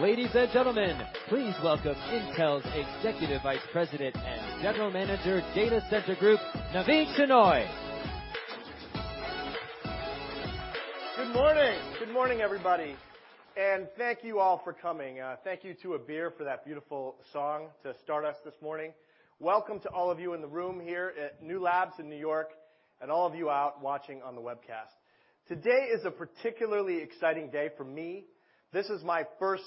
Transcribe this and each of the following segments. Ladies and gentlemen, please welcome Intel's Executive Vice President and General Manager, Data Center Group, Navin Shenoy. Good morning. Good morning, everybody. Thank you all for coming. Thank you to Abir for that beautiful song to start us this morning. Welcome to all of you in the room here at New Lab in N.Y., and all of you out watching on the webcast. Today is a particularly exciting day for me. This is my first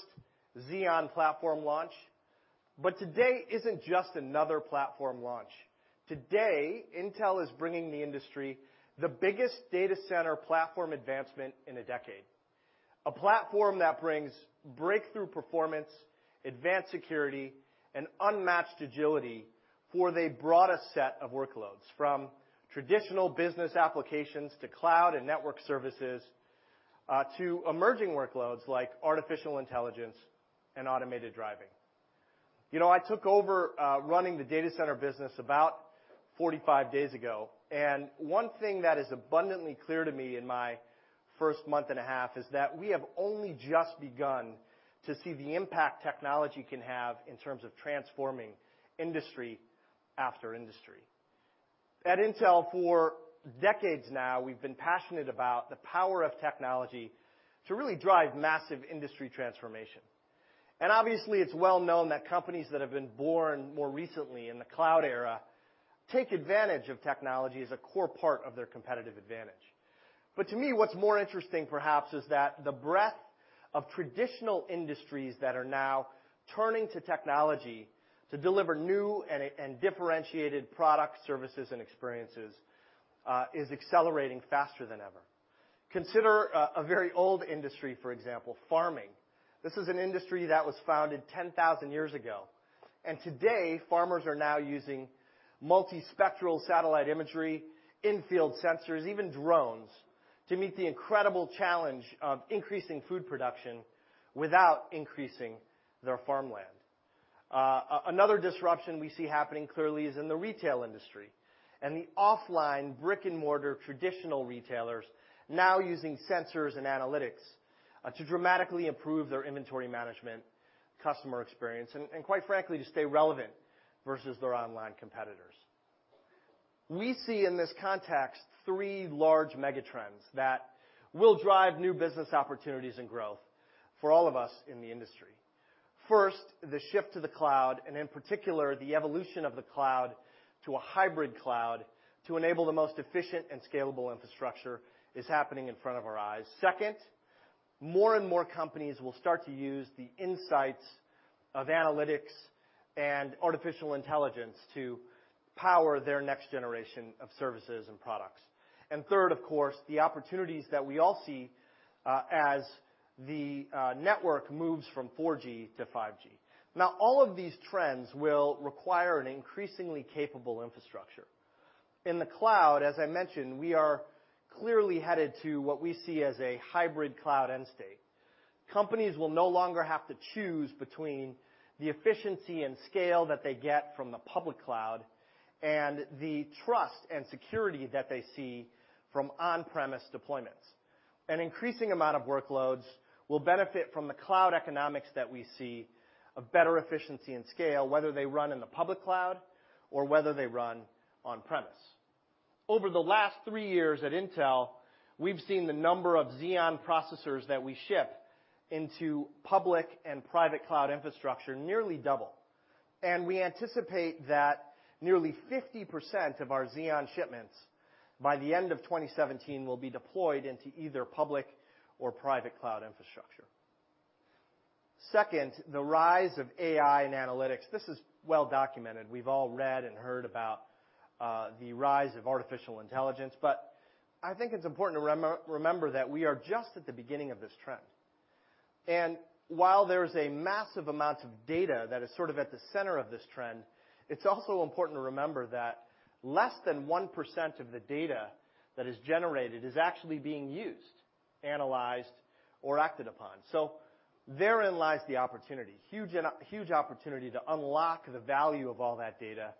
Xeon platform launch. Today isn't just another platform launch. Today, Intel is bringing the industry the biggest data center platform advancement in a decade. A platform that brings breakthrough performance, advanced security, and unmatched agility for the broadest set of workloads, from traditional business applications to cloud and network services, to emerging workloads like artificial intelligence and automated driving. I took over running the data center business about 45 days ago. One thing that is abundantly clear to me in my first month and a half is that we have only just begun to see the impact technology can have in terms of transforming industry after industry. At Intel for decades now, we've been passionate about the power of technology to really drive massive industry transformation. Obviously, it's well-known that companies that have been born more recently in the cloud era take advantage of technology as a core part of their competitive advantage. To me, what's more interesting perhaps is that the breadth of traditional industries that are now turning to technology to deliver new and differentiated product services and experiences is accelerating faster than ever. Consider a very old industry, for example, farming. This is an industry that was founded 10,000 years ago. Today, farmers are now using multispectral satellite imagery, in-field sensors, even drones to meet the incredible challenge of increasing food production without increasing their farmland. Another disruption we see happening clearly is in the retail industry. The offline brick and mortar traditional retailers now using sensors and analytics to dramatically improve their inventory management, customer experience, and quite frankly, to stay relevant versus their online competitors. We see in this context three large mega trends that will drive new business opportunities and growth for all of us in the industry. First, the shift to the cloud. In particular, the evolution of the cloud to a hybrid cloud to enable the most efficient and scalable infrastructure, is happening in front of our eyes. Second, more and more companies will start to use the insights of analytics and artificial intelligence to power their next generation of services and products. Third, of course, the opportunities that we all see as the network moves from 4G to 5G. All of these trends will require an increasingly capable infrastructure. In the cloud, as I mentioned, we are clearly headed to what we see as a hybrid cloud end state. Companies will no longer have to choose between the efficiency and scale that they get from the public cloud and the trust and security that they see from on-premise deployments. An increasing amount of workloads will benefit from the cloud economics that we see of better efficiency and scale, whether they run in the public cloud or whether they run on premise. Over the last three years at Intel, we've seen the number of Xeon processors that we ship into public and private cloud infrastructure nearly double. We anticipate that nearly 50% of our Xeon shipments by the end of 2017 will be deployed into either public or private cloud infrastructure. Second, the rise of AI and analytics. This is well documented. We've all read and heard about the rise of artificial intelligence, but I think it's important to remember that we are just at the beginning of this trend. While there's a massive amount of data that is sort of at the center of this trend, it's also important to remember that less than 1% of the data that is generated is actually being used, analyzed, or acted upon. Therein lies the opportunity, huge opportunity to unlock the value of all that data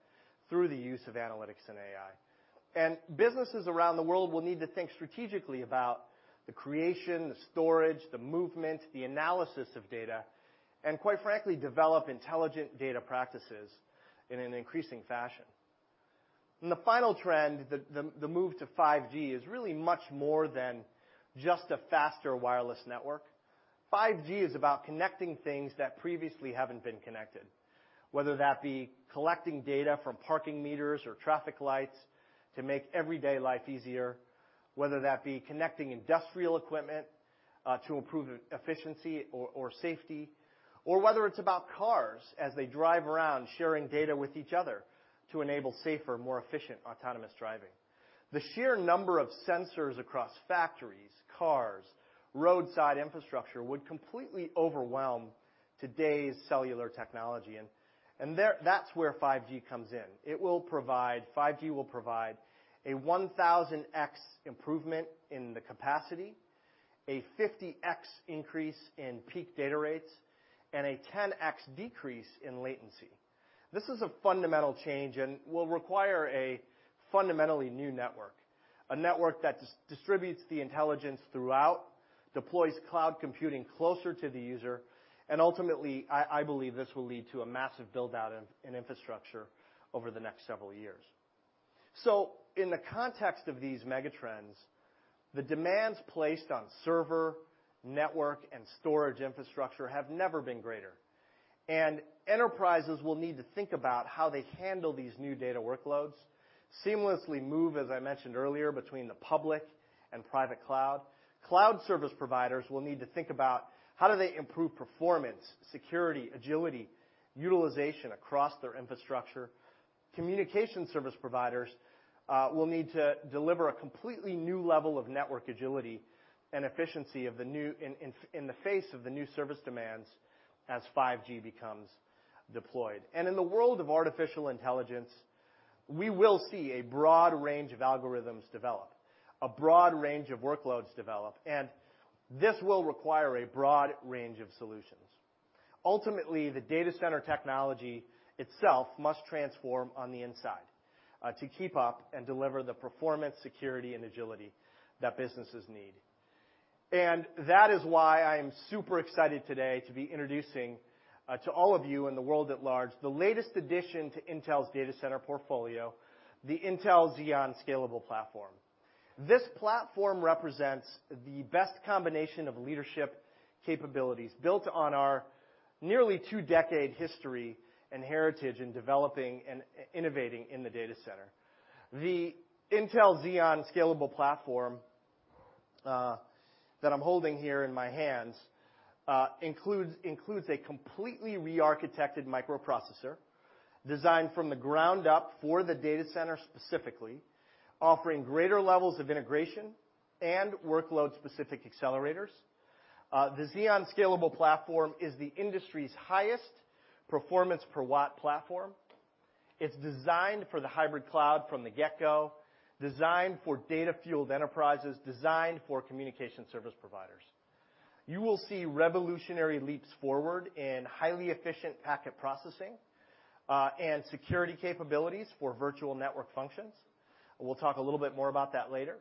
through the use of analytics and AI. Businesses around the world will need to think strategically about the creation, the storage, the movement, the analysis of data, and quite frankly, develop intelligent data practices in an increasing fashion. The final trend, the move to 5G, is really much more than just a faster wireless network. 5G is about connecting things that previously haven't been connected, whether that be collecting data from parking meters or traffic lights to make everyday life easier, whether that be connecting industrial equipment to improve efficiency or safety, or whether it's about cars as they drive around sharing data with each other to enable safer, more efficient autonomous driving. The sheer number of sensors across factories, cars, roadside infrastructure would completely overwhelm today's cellular technology, and that's where 5G comes in. 5G will provide a 1,000x improvement in the capacity, a 50x increase in peak data rates, and a 10x decrease in latency. This is a fundamental change and will require a fundamentally new network. A network that distributes the intelligence throughout, deploys cloud computing closer to the user, and ultimately, I believe this will lead to a massive build-out in infrastructure over the next several years. In the context of these mega trends, the demands placed on server, network, and storage infrastructure have never been greater. Enterprises will need to think about how they handle these new data workloads, seamlessly move, as I mentioned earlier, between the public and private cloud. Cloud service providers will need to think about how do they improve performance, security, agility, utilization across their infrastructure. Communication service providers will need to deliver a completely new level of network agility and efficiency in the face of the new service demands as 5G becomes deployed. In the world of artificial intelligence, we will see a broad range of algorithms develop, a broad range of workloads develop, and this will require a broad range of solutions. Ultimately, the data center technology itself must transform on the inside to keep up and deliver the performance, security, and agility that businesses need. That is why I am super excited today to be introducing to all of you in the world at large, the latest addition to Intel's data center portfolio, the Intel Xeon Scalable platform. This platform represents the best combination of leadership capabilities built on our nearly two-decade history and heritage in developing and innovating in the data center. The Intel Xeon Scalable platform that I'm holding here in my hands includes a completely re-architected microprocessor designed from the ground up for the data center specifically, offering greater levels of integration and workload-specific accelerators. The Xeon Scalable platform is the industry's highest performance per watt platform. It's designed for the hybrid cloud from the get-go, designed for data-fueled enterprises, designed for communication service providers. You will see revolutionary leaps forward in highly efficient packet processing, and security capabilities for virtual network functions. We'll talk a little bit more about that later.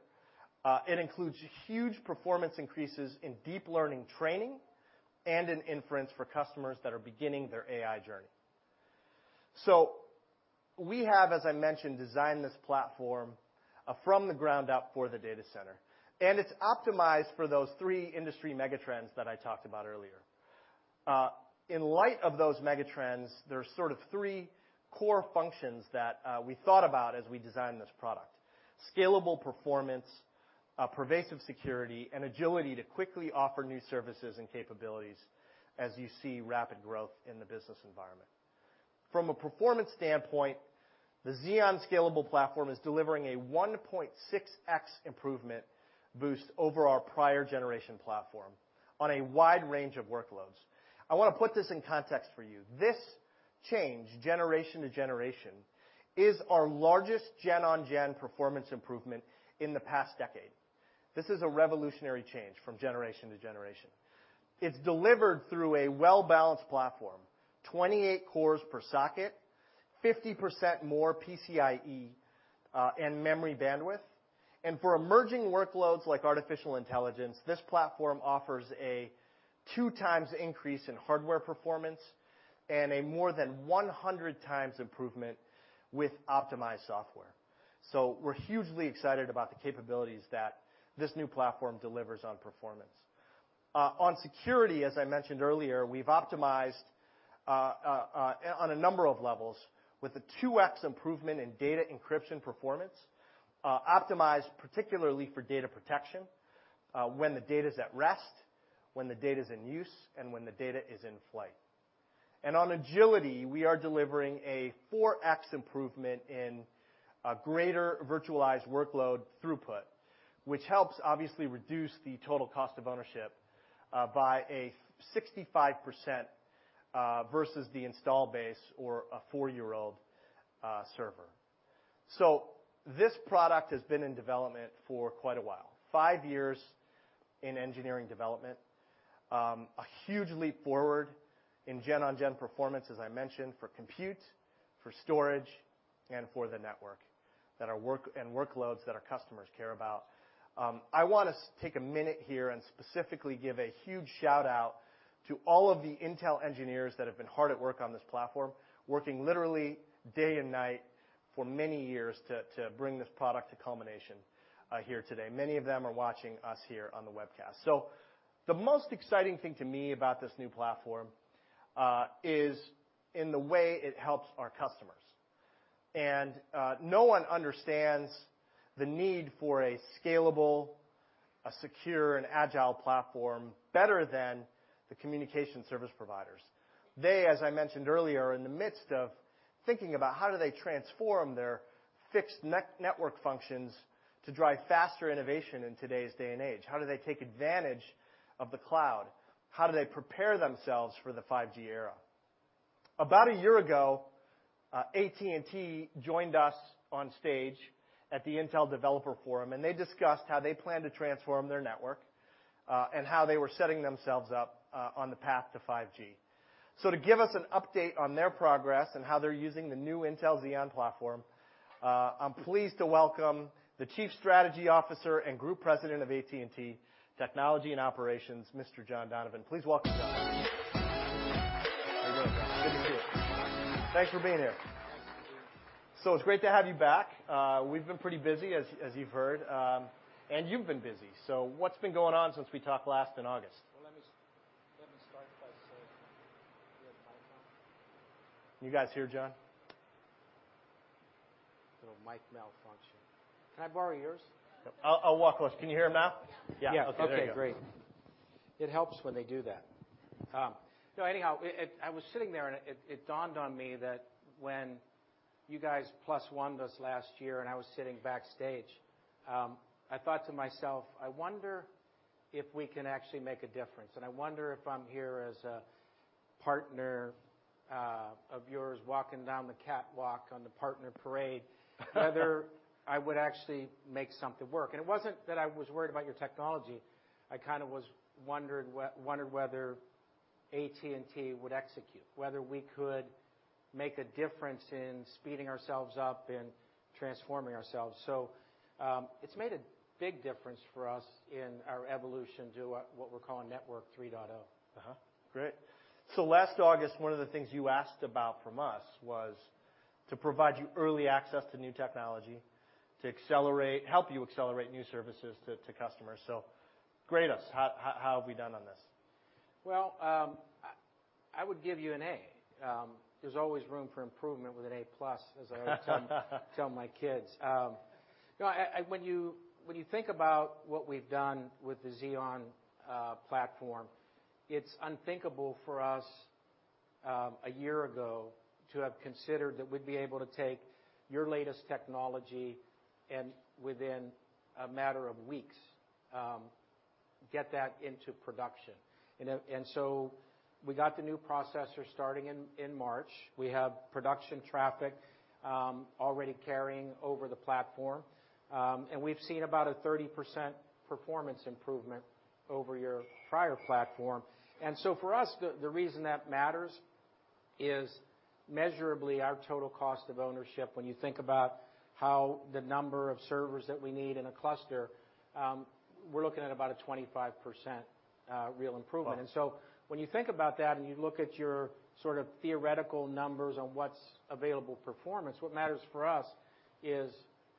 It includes huge performance increases in deep learning training and in inference for customers that are beginning their AI journey. We have, as I mentioned, designed this platform from the ground up for the data center, and it's optimized for those three industry mega trends that I talked about earlier. In light of those mega trends, there are sort of three core functions that we thought about as we designed this product: scalable performance, pervasive security, and agility to quickly offer new services and capabilities as you see rapid growth in the business environment. From a performance standpoint, the Xeon Scalable platform is delivering a 1.6x improvement boost over our prior generation platform on a wide range of workloads. I want to put this in context for you. This change, generation to generation, is our largest gen on gen performance improvement in the past decade. This is a revolutionary change from generation to generation. It's delivered through a well-balanced platform, 28 cores per socket, 50% more PCIe, and memory bandwidth. For emerging workloads like artificial intelligence, this platform offers a two times increase in hardware performance and a more than 100 times improvement with optimized software. We're hugely excited about the capabilities that this new platform delivers on performance. On security, as I mentioned earlier, we've optimized on a number of levels with a 2x improvement in data encryption performance, optimized particularly for data protection when the data's at rest, when the data's in use, and when the data is in flight. On agility, we are delivering a 4x improvement in greater virtualized workload throughput, which helps obviously reduce the total cost of ownership by a 65% versus the install base or a four-year-old server. This product has been in development for quite a while, five years in engineering development. A huge leap forward in gen on gen performance, as I mentioned, for compute, for storage, and for the network and workloads that our customers care about. I want to take a minute here and specifically give a huge shout-out to all of the Intel engineers that have been hard at work on this platform, working literally day and night for many years to bring this product to culmination here today. Many of them are watching us here on the webcast. The most exciting thing to me about this new platform is in the way it helps our customers. No one understands the need for a scalable, a secure, and agile platform better than the communication service providers. They, as I mentioned earlier, are in the midst of thinking about how do they transform their fixed network functions to drive faster innovation in today's day and age. How do they take advantage of the cloud? How do they prepare themselves for the 5G era? About a year ago, AT&T joined us on stage at the Intel Developer Forum, they discussed how they plan to transform their network. How they were setting themselves up on the path to 5G. To give us an update on their progress and how they're using the new Intel Xeon platform, I'm pleased to welcome the Chief Strategy Officer and Group President of AT&T Technology and Operations, Mr. John Donovan. Please welcome John. How you doing, John? Good to see you. Thanks for being here. Thanks, Navin. It's great to have you back. We've been pretty busy, as you've heard. You've been busy. What's been going on since we talked last in August? Well, let me start by saying. Do we have a microphone? Can you guys hear John? A little mic malfunction. Can I borrow yours? I'll walk close. Can you hear him now? Yeah. Yeah. Okay, great. It helps when they do that. I was sitting there, and it dawned on me that when you guys plus-oned us last year, and I was sitting backstage, I thought to myself, "I wonder if we can actually make a difference. I wonder if I'm here as a partner of yours, walking down the catwalk on the partner parade, whether I would actually make something work." It wasn't that I was worried about your technology. I kind of wondered whether AT&T would execute, whether we could make a difference in speeding ourselves up and transforming ourselves. It's made a big difference for us in our evolution to what we're calling Network 3.0. Great. Last August, one of the things you asked about from us was to provide you early access to new technology to help you accelerate new services to customers. Grade us. How have we done on this? Well, I would give you an A. There's always room for improvement with an A+, as I always tell my kids. When you think about what we've done with the Xeon platform, it's unthinkable for us a year ago to have considered that we'd be able to take your latest technology and within a matter of weeks, get that into production. We got the new processor starting in March. We have production traffic already carrying over the platform. We've seen about a 30% performance improvement over your prior platform. For us, the reason that matters is measurably our total cost of ownership. When you think about how the number of servers that we need in a cluster, we're looking at about a 25% real improvement. Wow. When you think about that, and you look at your sort of theoretical numbers on what's available performance, what matters for us is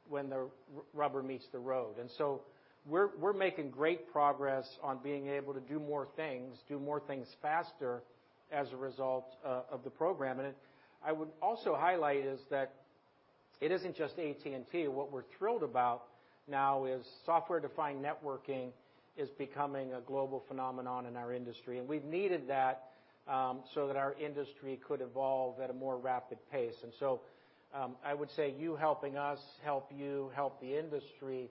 when the rubber meets the road. We're making great progress on being able to do more things faster as a result of the program. I would also highlight is that it isn't just AT&T. What we're thrilled about now is software-defined networking is becoming a global phenomenon in our industry, and we've needed that so that our industry could evolve at a more rapid pace. I would say you helping us, help you, help the industry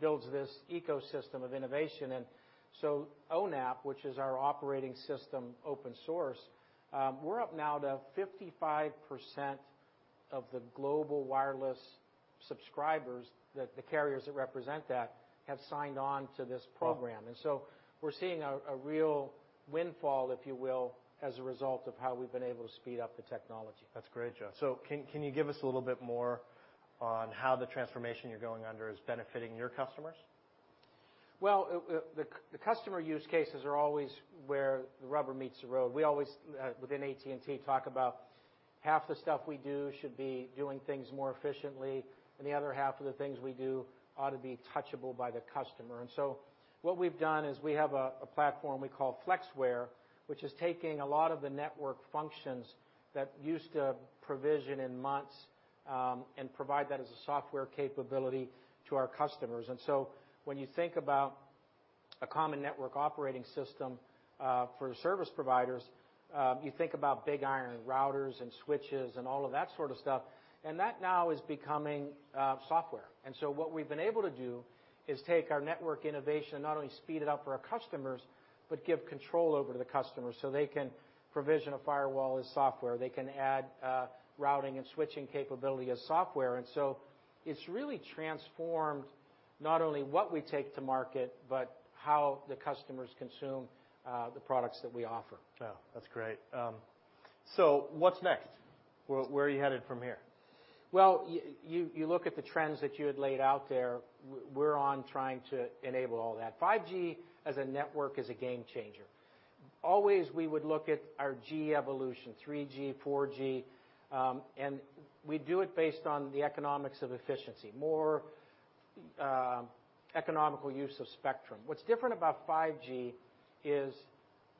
builds this ecosystem of innovation. ONAP, which is our operating system open source, we're up now to 55% of the global wireless subscribers that the carriers that represent that have signed on to this program. We're seeing a real windfall, if you will, as a result of how we've been able to speed up the technology. That's great, John. Can you give us a little bit more on how the transformation you're going under is benefiting your customers? Well, the customer use cases are always where the rubber meets the road. We always, within AT&T, talk about half the stuff we do should be doing things more efficiently, and the other half of the things we do ought to be touchable by the customer. What we've done is we have a platform we call FlexWare, which is taking a lot of the network functions that used to provision in months, and provide that as a software capability to our customers. When you think about a common network operating system for service providers, you think about big iron routers and switches and all of that sort of stuff, and that now is becoming software. What we've been able to do is take our network innovation and not only speed it up for our customers, but give control over to the customers so they can provision a firewall as software. They can add routing and switching capability as software. It's really transformed not only what we take to market but how the customers consume the products that we offer. That's great. What's next? Where are you headed from here? You look at the trends that you had laid out there. We're on trying to enable all that. 5G as a network is a game changer. Always, we would look at our G evolution, 3G, 4G, and we do it based on the economics of efficiency, more economical use of spectrum. What's different about 5G is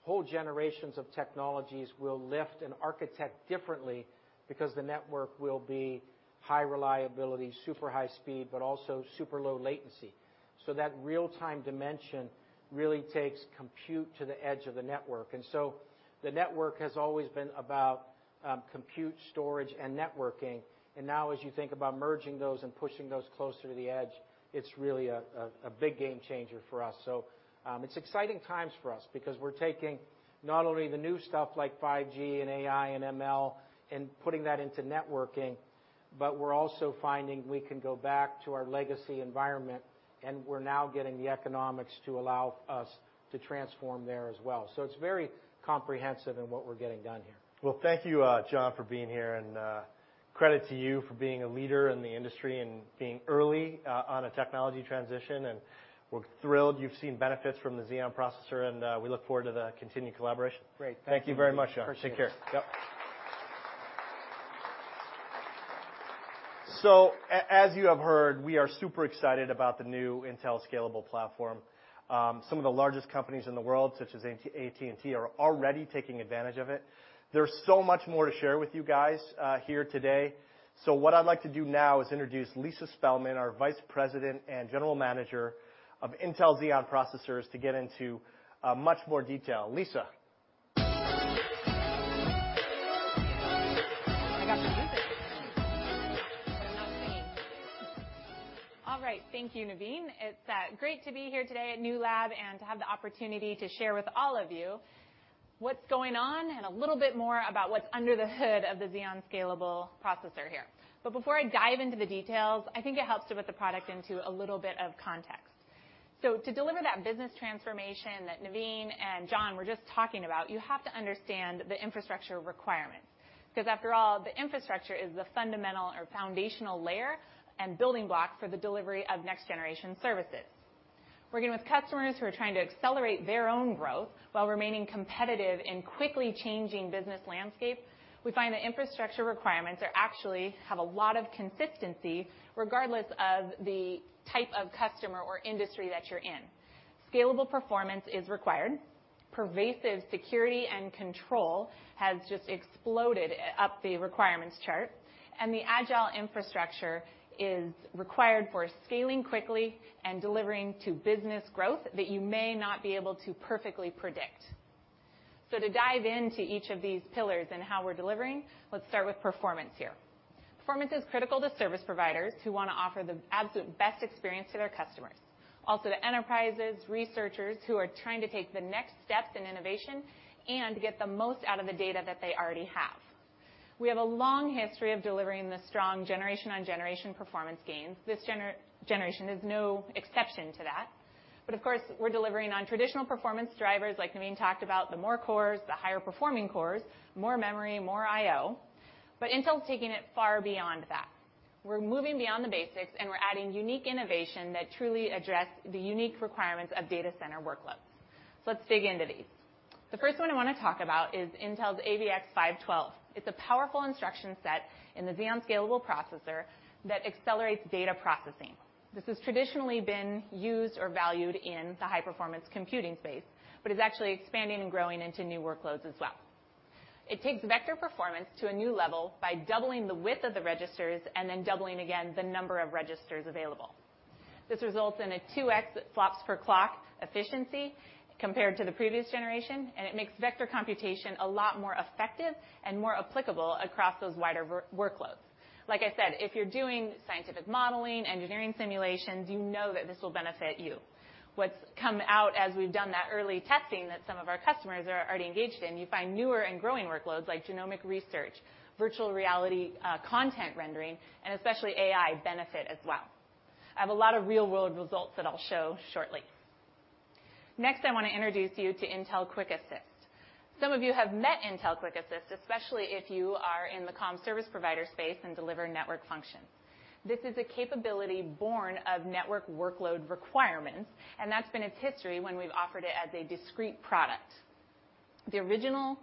whole generations of technologies will lift and architect differently because the network will be high reliability, super high speed, but also super low latency. That real-time dimension really takes compute to the edge of the network. The network has always been about compute, storage, and networking. As you think about merging those and pushing those closer to the edge, it's really a big game changer for us. It's exciting times for us because we're taking not only the new stuff like 5G and AI and ML and putting that into networking But we're also finding we can go back to our legacy environment, and we're now getting the economics to allow us to transform there as well. It's very comprehensive in what we're getting done here. Thank you, John, for being here, and credit to you for being a leader in the industry and being early on a technology transition. We're thrilled you've seen benefits from the Xeon processor, and we look forward to the continued collaboration. Great. Thank you. Thank you very much, John. Take care. Appreciate it. Yep. As you have heard, we are super excited about the new Intel Scalable platform. Some of the largest companies in the world, such as AT&T, are already taking advantage of it. There's so much more to share with you guys here today. What I'd like to do now is introduce Lisa Spelman, our vice president and general manager of Intel Xeon processors, to get into much more detail. Lisa. I got the music. How sweet. All right. Thank you, Navin. It's great to be here today at New Lab and to have the opportunity to share with all of you what's going on and a little bit more about what's under the hood of the Xeon Scalable processor here. Before I dive into the details, I think it helps to put the product into a little bit of context. To deliver that business transformation that Navin and John were just talking about, you have to understand the infrastructure requirements, because after all, the infrastructure is the fundamental or foundational layer and building block for the delivery of next-generation services. Working with customers who are trying to accelerate their own growth while remaining competitive in quickly changing business landscape, we find that infrastructure requirements are actually have a lot of consistency regardless of the type of customer or industry that you're in. Scalable performance is required. Pervasive security and control has just exploded up the requirements chart, and the agile infrastructure is required for scaling quickly and delivering to business growth that you may not be able to perfectly predict. To dive into each of these pillars and how we're delivering, let's start with performance here. Performance is critical to service providers who want to offer the absolute best experience to their customers. Also to enterprises, researchers who are trying to take the next steps in innovation and get the most out of the data that they already have. We have a long history of delivering the strong generation on generation performance gains. This generation is no exception to that. Of course, we're delivering on traditional performance drivers like Navin talked about, the more cores, the higher performing cores, more memory, more IO. Intel's taking it far beyond that. We're moving beyond the basics, and we're adding unique innovation that truly address the unique requirements of data center workloads. Let's dig into these. The first one I want to talk about is Intel's AVX-512. It's a powerful instruction set in the Xeon Scalable processor that accelerates data processing. This has traditionally been used or valued in the high-performance computing space, but is actually expanding and growing into new workloads as well. It takes vector performance to a new level by doubling the width of the registers and then doubling again the number of registers available. This results in a 2x flops per clock efficiency compared to the previous generation, and it makes vector computation a lot more effective and more applicable across those wider workloads. Like I said, if you're doing scientific modeling, engineering simulations, you know that this will benefit you. What's come out as we've done that early testing that some of our customers are already engaged in, you find newer and growing workloads like genomic research, virtual reality content rendering, and especially AI benefit as well. I have a lot of real-world results that I'll show shortly. Next, I want to introduce you to Intel QuickAssist. Some of you have met Intel QuickAssist, especially if you are in the comm service provider space and deliver network functions. This is a capability born of network workload requirements, and that's been its history when we've offered it as a discrete product. The original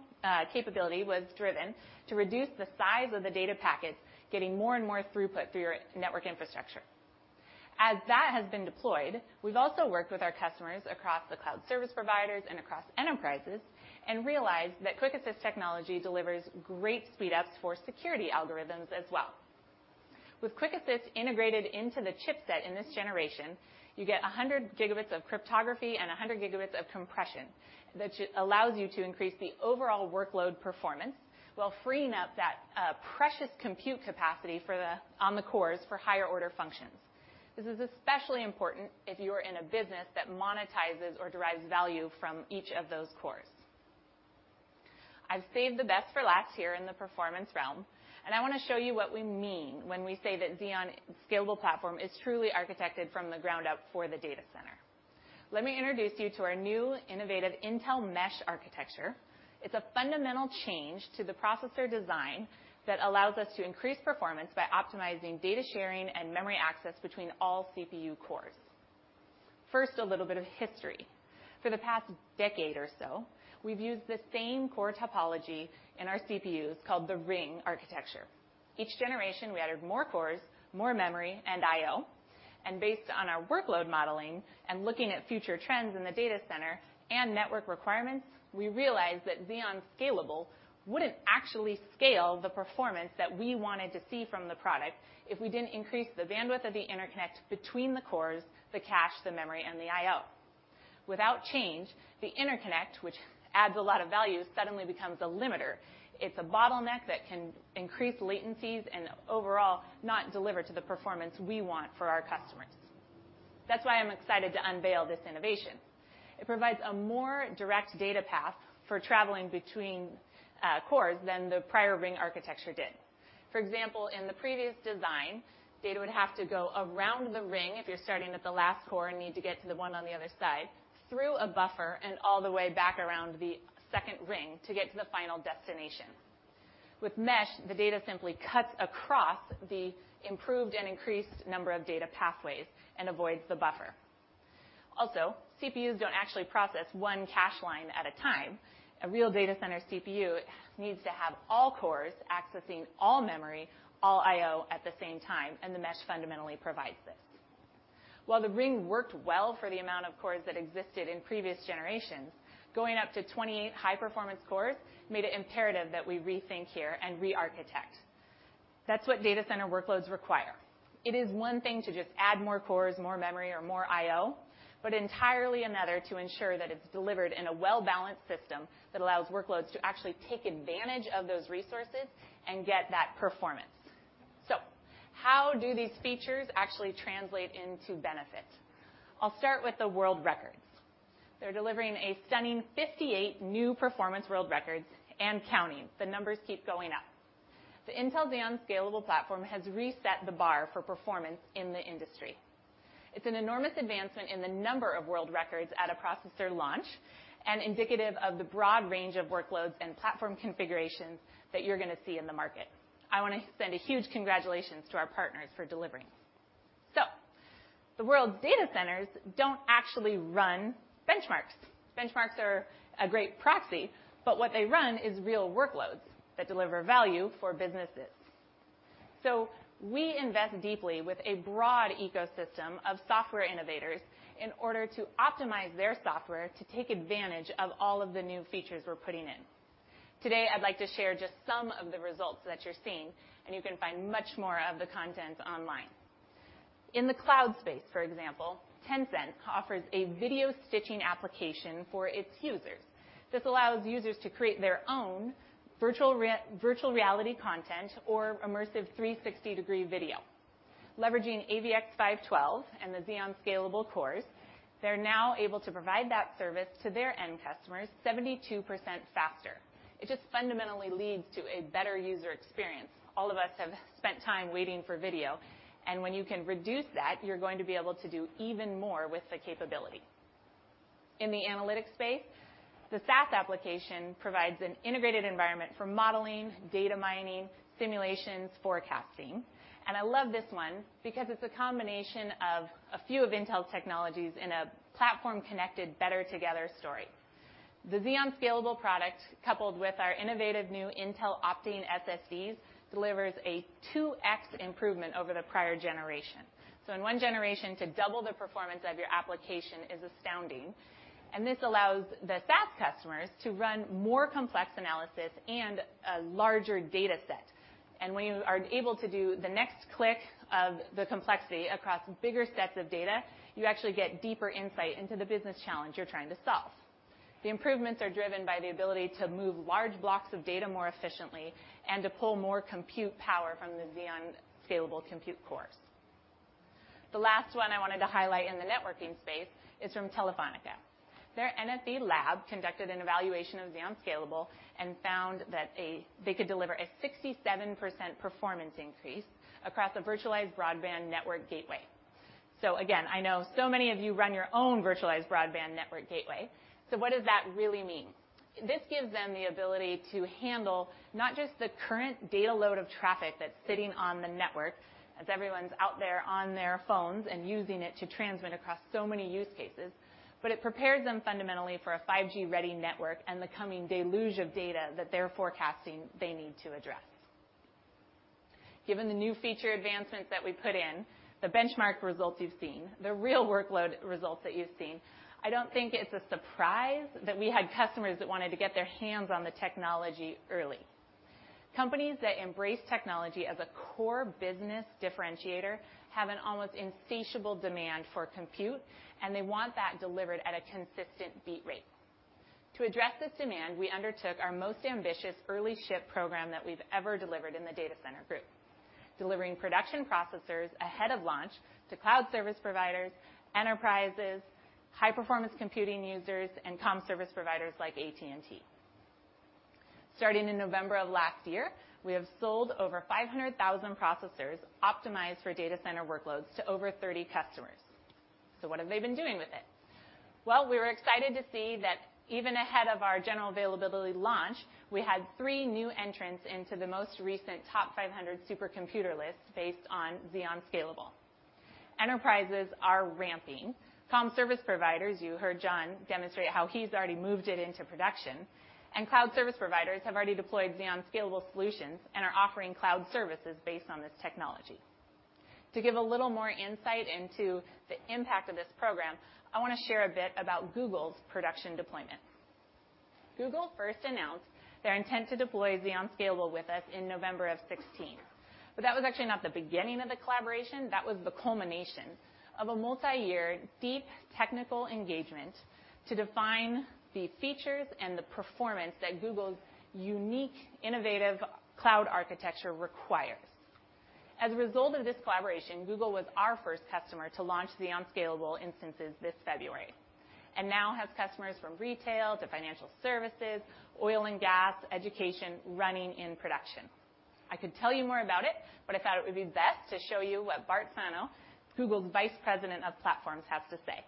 capability was driven to reduce the size of the data packets getting more and more throughput through your network infrastructure. As that has been deployed, we've also worked with our customers across the cloud service providers and across enterprises and realized that QuickAssist Technology delivers great speedups for security algorithms as well. With QuickAssist integrated into the chipset in this generation, you get 100 gigabits of cryptography and 100 gigabits of compression that allows you to increase the overall workload performance while freeing up that precious compute capacity on the cores for higher order functions. This is especially important if you are in a business that monetizes or derives value from each of those cores. I've saved the best for last here in the performance realm, and I want to show you what we mean when we say that Xeon Scalable platform is truly architected from the ground up for the data center. Let me introduce you to our new innovative Intel Mesh architecture. It's a fundamental change to the processor design that allows us to increase performance by optimizing data sharing and memory access between all CPU cores. First, a little bit of history. For the past decade or so, we've used the same core topology in our CPUs called the ring architecture. Each generation, we added more cores, more memory, and I/O, and based on our workload modeling and looking at future trends in the data center and network requirements, we realized that Xeon Scalable wouldn't actually scale the performance that we wanted to see from the product if we didn't increase the bandwidth of the interconnect between the cores, the cache, the memory, and the I/O. Without change, the interconnect, which adds a lot of value, suddenly becomes a limiter. It's a bottleneck that can increase latencies and overall not deliver to the performance we want for our customers. That's why I'm excited to unveil this innovation. It provides a more direct data path for traveling between cores than the prior ring architecture did. For example, in the previous design, data would have to go around the ring if you're starting at the last core and need to get to the one on the other side, through a buffer, and all the way back around the second ring to get to the final destination. With mesh, the data simply cuts across the improved and increased number of data pathways and avoids the buffer. Also, CPUs don't actually process one cache line at a time. A real data center CPU needs to have all cores accessing all memory, all I/O at the same time, and the mesh fundamentally provides this. While the ring worked well for the amount of cores that existed in previous generations, going up to 28 high-performance cores made it imperative that we rethink here and re-architect. That's what data center workloads require. It is one thing to just add more cores, more memory, or more I/O, but entirely another to ensure that it's delivered in a well-balanced system that allows workloads to actually take advantage of those resources and get that performance. How do these features actually translate into benefit? I'll start with the world records. They're delivering a stunning 58 new performance world records and counting. The numbers keep going up. The Intel Xeon Scalable platform has reset the bar for performance in the industry. It's an enormous advancement in the number of world records at a processor launch and indicative of the broad range of workloads and platform configurations that you're going to see in the market. I want to send a huge congratulations to our partners for delivering. The world's data centers don't actually run benchmarks. Benchmarks are a great proxy, what they run is real workloads that deliver value for businesses. We invest deeply with a broad ecosystem of software innovators in order to optimize their software to take advantage of all of the new features we're putting in. Today, I'd like to share just some of the results that you're seeing, and you can find much more of the content online. In the cloud space, for example, Tencent offers a video stitching application for its users. This allows users to create their own virtual reality content or immersive 360-degree video. Leveraging AVX-512 and the Xeon Scalable cores, they're now able to provide that service to their end customers 72% faster. It just fundamentally leads to a better user experience. All of us have spent time waiting for video, when you can reduce that, you're going to be able to do even more with the capability. In the analytics space, the SAS application provides an integrated environment for modeling, data mining, simulations, forecasting. I love this one because it's a combination of a few of Intel's technologies in a platform-connected better together story. The Xeon Scalable product, coupled with our innovative new Intel Optane SSDs, delivers a 2X improvement over the prior generation. In one generation, to double the performance of your application is astounding, this allows the SAS customers to run more complex analysis and a larger dataset. When you are able to do the next click of the complexity across bigger sets of data, you actually get deeper insight into the business challenge you're trying to solve. The improvements are driven by the ability to move large blocks of data more efficiently and to pull more compute power from the Xeon Scalable compute cores. The last one I wanted to highlight in the networking space is from Telefónica. Their NFV lab conducted an evaluation of Xeon Scalable and found that they could deliver a 67% performance increase across a virtualized broadband network gateway. Again, I know so many of you run your own virtualized broadband network gateway. What does that really mean? This gives them the ability to handle not just the current data load of traffic that's sitting on the network as everyone's out there on their phones and using it to transmit across so many use cases, it prepares them fundamentally for a 5G-ready network and the coming deluge of data that they're forecasting they need to address. Given the new feature advancements that we put in, the benchmark results you've seen, the real workload results that you've seen, I don't think it's a surprise that we had customers that wanted to get their hands on the technology early. Companies that embrace technology as a core business differentiator have an almost insatiable demand for compute, and they want that delivered at a consistent beat rate. To address this demand, we undertook our most ambitious early ship program that we've ever delivered in the Data Center Group, delivering production processors ahead of launch to cloud service providers, enterprises, high-performance computing users, and comm service providers like AT&T. Starting in November of last year, we have sold over 500,000 processors optimized for data center workloads to over 30 customers. What have they been doing with it? We were excited to see that even ahead of our general availability launch, we had three new entrants into the most recent top 500 supercomputer lists based on Xeon Scalable. Enterprises are ramping. Comm service providers, you heard John demonstrate how he's already moved it into production, and cloud service providers have already deployed Xeon Scalable solutions and are offering cloud services based on this technology. To give a little more insight into the impact of this program, I want to share a bit about Google's production deployment. Google first announced their intent to deploy Xeon Scalable with us in November of 2016. That was actually not the beginning of the collaboration. That was the culmination of a multi-year, deep technical engagement to define the features and the performance that Google's unique, innovative cloud architecture requires. As a result of this collaboration, Google was our first customer to launch the Xeon Scalable instances this February, and now has customers from retail to financial services, oil and gas, education, running in production. I could tell you more about it, but I thought it would be best to show you what Bart Sano, Google's Vice President of Platforms, has to say.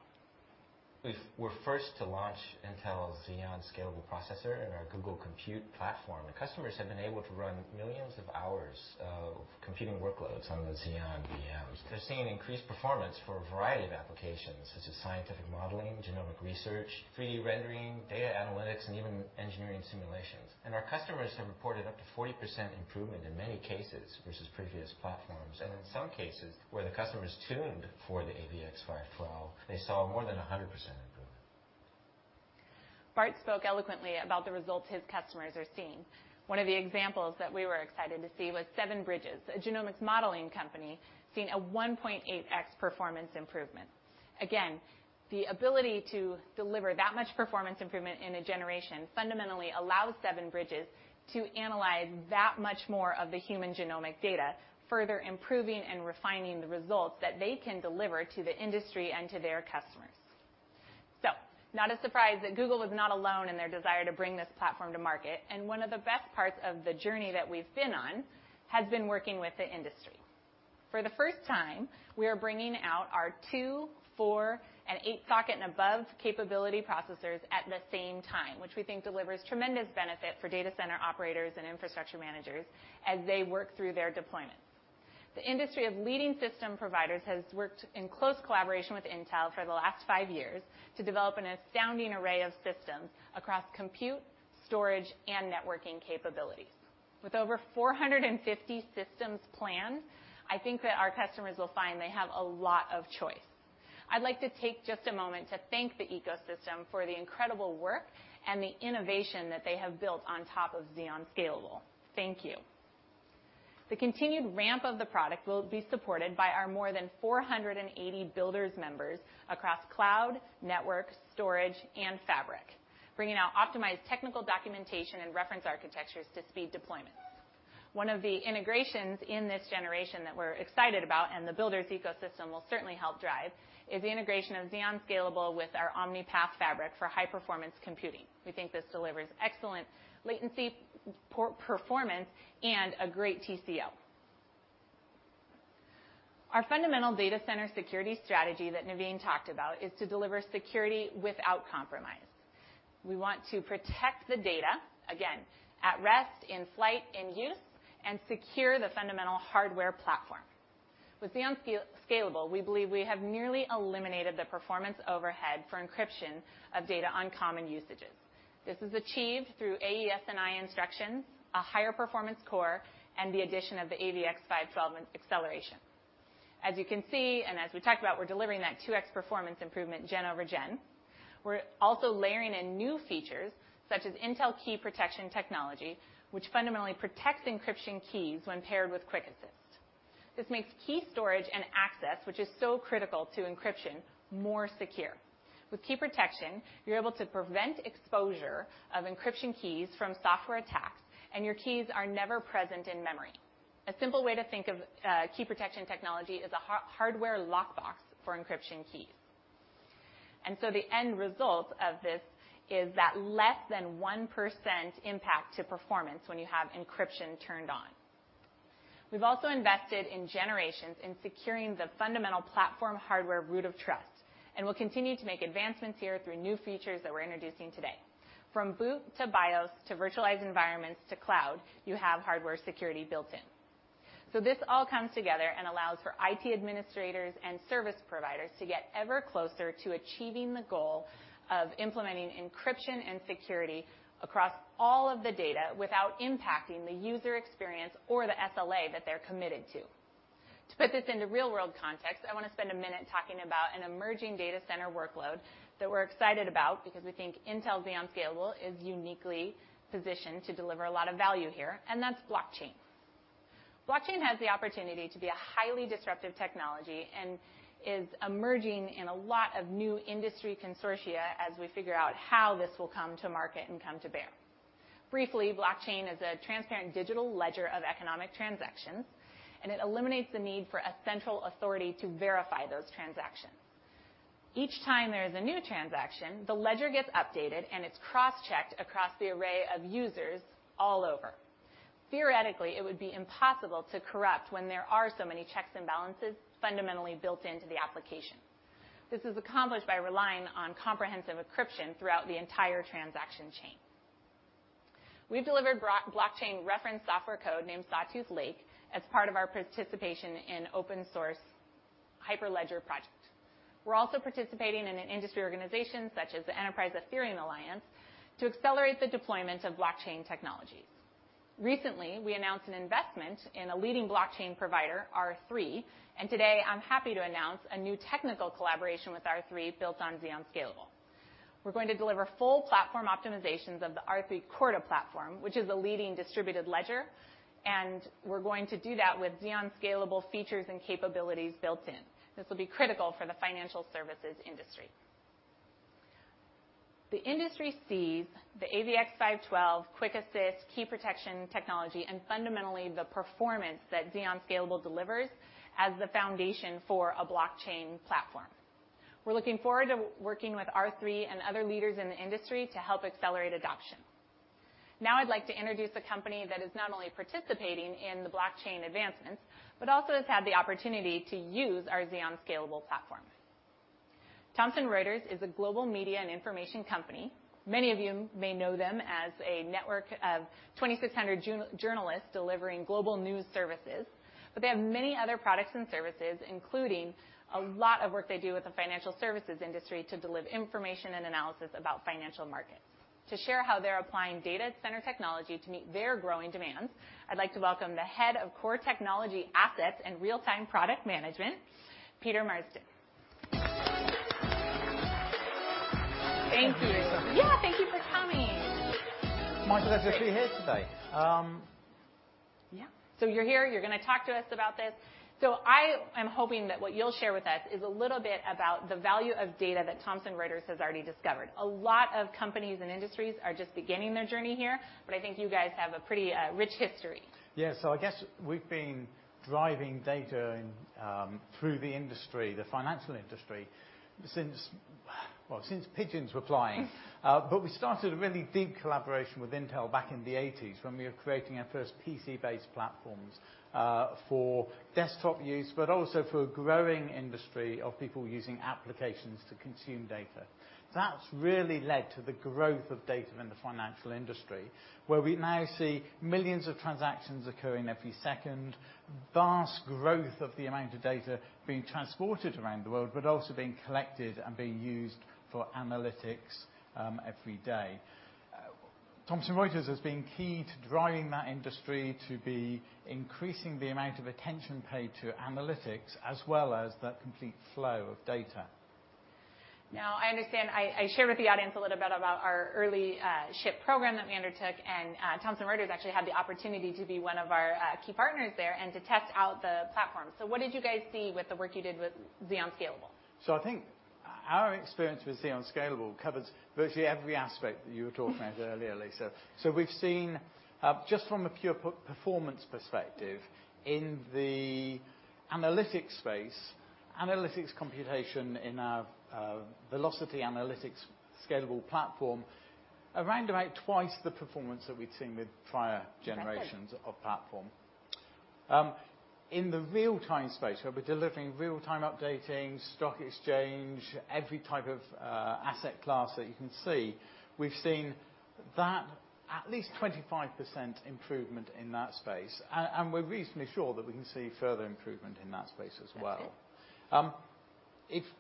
We were first to launch Intel's Xeon Scalable processor in our Google Compute platform. The customers have been able to run millions of hours of computing workloads on the Xeon VMs. They're seeing increased performance for a variety of applications, such as scientific modeling, genomic research, 3D rendering, data analytics, and even engineering simulations. Our customers have reported up to 40% improvement in many cases versus previous platforms. In some cases, where the customers tuned for the AVX-512, they saw more than 100% improvement. Bart spoke eloquently about the results his customers are seeing. One of the examples that we were excited to see was Seven Bridges, a genomics modeling company, seeing a 1.8x performance improvement. Again, the ability to deliver that much performance improvement in a generation fundamentally allows Seven Bridges to analyze that much more of the human genomic data, further improving and refining the results that they can deliver to the industry and to their customers. Not a surprise that Google was not alone in their desire to bring this platform to market and one of the best parts of the journey that we've been on has been working with the industry. For the first time, we are bringing out our two, four, and eight socket and above capability processors at the same time, which we think delivers tremendous benefit for data center operators and infrastructure managers as they work through their deployments. The industry of leading system providers has worked in close collaboration with Intel for the last five years to develop an astounding array of systems across compute, storage, and networking capabilities. With over 450 systems planned, I think that our customers will find they have a lot of choice. I'd like to take just a moment to thank the ecosystem for the incredible work and the innovation that they have built on top of Xeon Scalable. Thank you. The continued ramp of the product will be supported by our more than 480 builders members across cloud, network, storage, and fabric, bringing out optimized technical documentation and reference architectures to speed deployments. One of the integrations in this generation that we're excited about and the builders ecosystem will certainly help drive is the integration of Xeon Scalable with our Omni-Path Fabric for high-performance computing. We think this delivers excellent latency, port performance, and a great TCO. Our fundamental data center security strategy that Navin talked about is to deliver security without compromise. We want to protect the data, again, at rest, in flight, in use, and secure the fundamental hardware platform. With Xeon Scalable, we believe we have nearly eliminated the performance overhead for encryption of data on common usages. This is achieved through AES-NI instructions, a higher performance core, and the addition of the AVX-512 acceleration. As you can see, as we talked about, we're delivering that 2x performance improvement gen over gen. We're also layering in new features, such as Intel Key Protection Technology, which fundamentally protects encryption keys when paired with Quick Assist. This makes key storage and access, which is so critical to encryption, more secure. With Key Protection, you're able to prevent exposure of encryption keys from software attacks, and your keys are never present in memory. A simple way to think of Key Protection Technology is a hardware lockbox for encryption keys. The end result of this is that less than 1% impact to performance when you have encryption turned on. We've also invested in generations in securing the fundamental platform hardware root of trust, and will continue to make advancements here through new features that we're introducing today. From boot to BIOS, to virtualized environments, to cloud, you have hardware security built in. This all comes together and allows for IT administrators and service providers to get ever closer to achieving the goal of implementing encryption and security across all of the data without impacting the user experience or the SLA that they're committed to. To put this into real-world context, I want to spend a minute talking about an emerging data center workload that we're excited about because we think Intel Xeon Scalable is uniquely positioned to deliver a lot of value here, and that's blockchain. Blockchain has the opportunity to be a highly disruptive technology and is emerging in a lot of new industry consortia as we figure out how this will come to market and come to bear. Briefly, blockchain is a transparent digital ledger of economic transactions, and it eliminates the need for a central authority to verify those transactions. Each time there is a new transaction, the ledger gets updated and it's cross-checked across the array of users all over. Theoretically, it would be impossible to corrupt when there are so many checks and balances fundamentally built into the application. This is accomplished by relying on comprehensive encryption throughout the entire transaction chain. We've delivered blockchain reference software code named Sawtooth Lake as part of our participation in open source Hyperledger project. We're also participating in an industry organization such as the Enterprise Ethereum Alliance to accelerate the deployment of blockchain technologies. Recently, we announced an investment in a leading blockchain provider, R3, and today I'm happy to announce a new technical collaboration with R3 built on Xeon Scalable. We're going to deliver full platform optimizations of the R3 Corda platform, which is a leading distributed ledger, and we're going to do that with Xeon Scalable features and capabilities built in. This will be critical for the financial services industry. The industry sees the AVX-512 Quick Assist Key Protection Technology and fundamentally the performance that Xeon Scalable delivers as the foundation for a blockchain platform. I'd like to introduce a company that is not only participating in the blockchain advancements, but also has had the opportunity to use our Xeon Scalable platform. Thomson Reuters is a global media and information company. Many of you may know them as a network of 2,600 journalists delivering global news services, they have many other products and services, including a lot of work they do with the financial services industry to deliver information and analysis about financial markets. To share how they're applying data center technology to meet their growing demands, I'd like to welcome the Head of Core Technology Assets and Real-Time Product Management, Peter Marsden. Thank you. Thank you, Lisa. Yeah, thank you for coming. Nice that I'm actually here today. Yeah. You're here, you're going to talk to us about this. I am hoping that what you'll share with us is a little bit about the value of data that Thomson Reuters has already discovered. A lot of companies and industries are just beginning their journey here, but I think you guys have a pretty rich history. Yeah. I guess we've been driving data through the industry, the financial industry, since, well, since pigeons were flying. We started a really deep collaboration with Intel back in the '80s, when we were creating our first PC-based platforms, for desktop use, but also for a growing industry of people using applications to consume data. That's really led to the growth of data in the financial industry, where we now see millions of transactions occurring every second, vast growth of the amount of data being transported around the world, but also being collected and being used for analytics every day. Thomson Reuters has been key to driving that industry to be increasing the amount of attention paid to analytics, as well as the complete flow of data. I understand, I shared with the audience a little bit about our early ship program that we undertook, and Thomson Reuters actually had the opportunity to be one of our key partners there and to test out the platform. What did you guys see with the work you did with Xeon Scalable? I think our experience with Xeon Scalable covers virtually every aspect that you were talking about earlier, Lisa. We've seen, just from a pure performance perspective in the analytics space, analytics computation in our velocity analytics scalable platform, around about twice the performance that we'd seen with prior generations- Okay of platform. In the real-time space, where we're delivering real-time updating, stock exchange, every type of asset class that you can see, we've seen that at least 25% improvement in that space. We're reasonably sure that we can see further improvement in that space as well. Okay.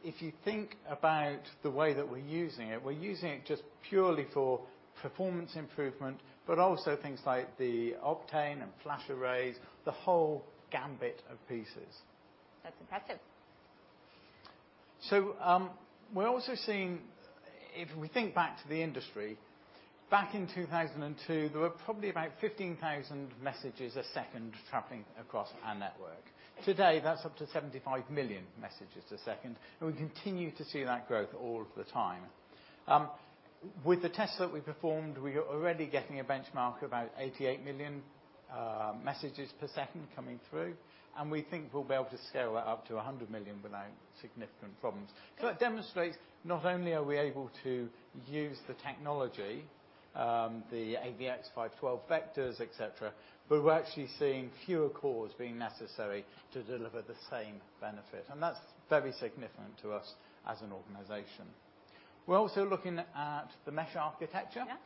If you think about the way that we're using it, we're using it just purely for performance improvement, but also things like the Optane and FlashArray, the whole gamut of pieces. That's impressive. We're also seeing, if we think back to the industry, back in 2002, there were probably about 15,000 messages a second traveling across our network. Today, that's up to 75 million messages a second, and we continue to see that growth all the time. With the tests that we performed, we are already getting a benchmark of about 88 million messages per second coming through, and we think we'll be able to scale that up to 100 million without significant problems. Okay. That demonstrates not only are we able to use the technology, the AVX-512 vectors, et cetera, but we're actually seeing fewer cores being necessary to deliver the same benefit. That's very significant to us as an organization. We're also looking at the mesh architecture. Yeah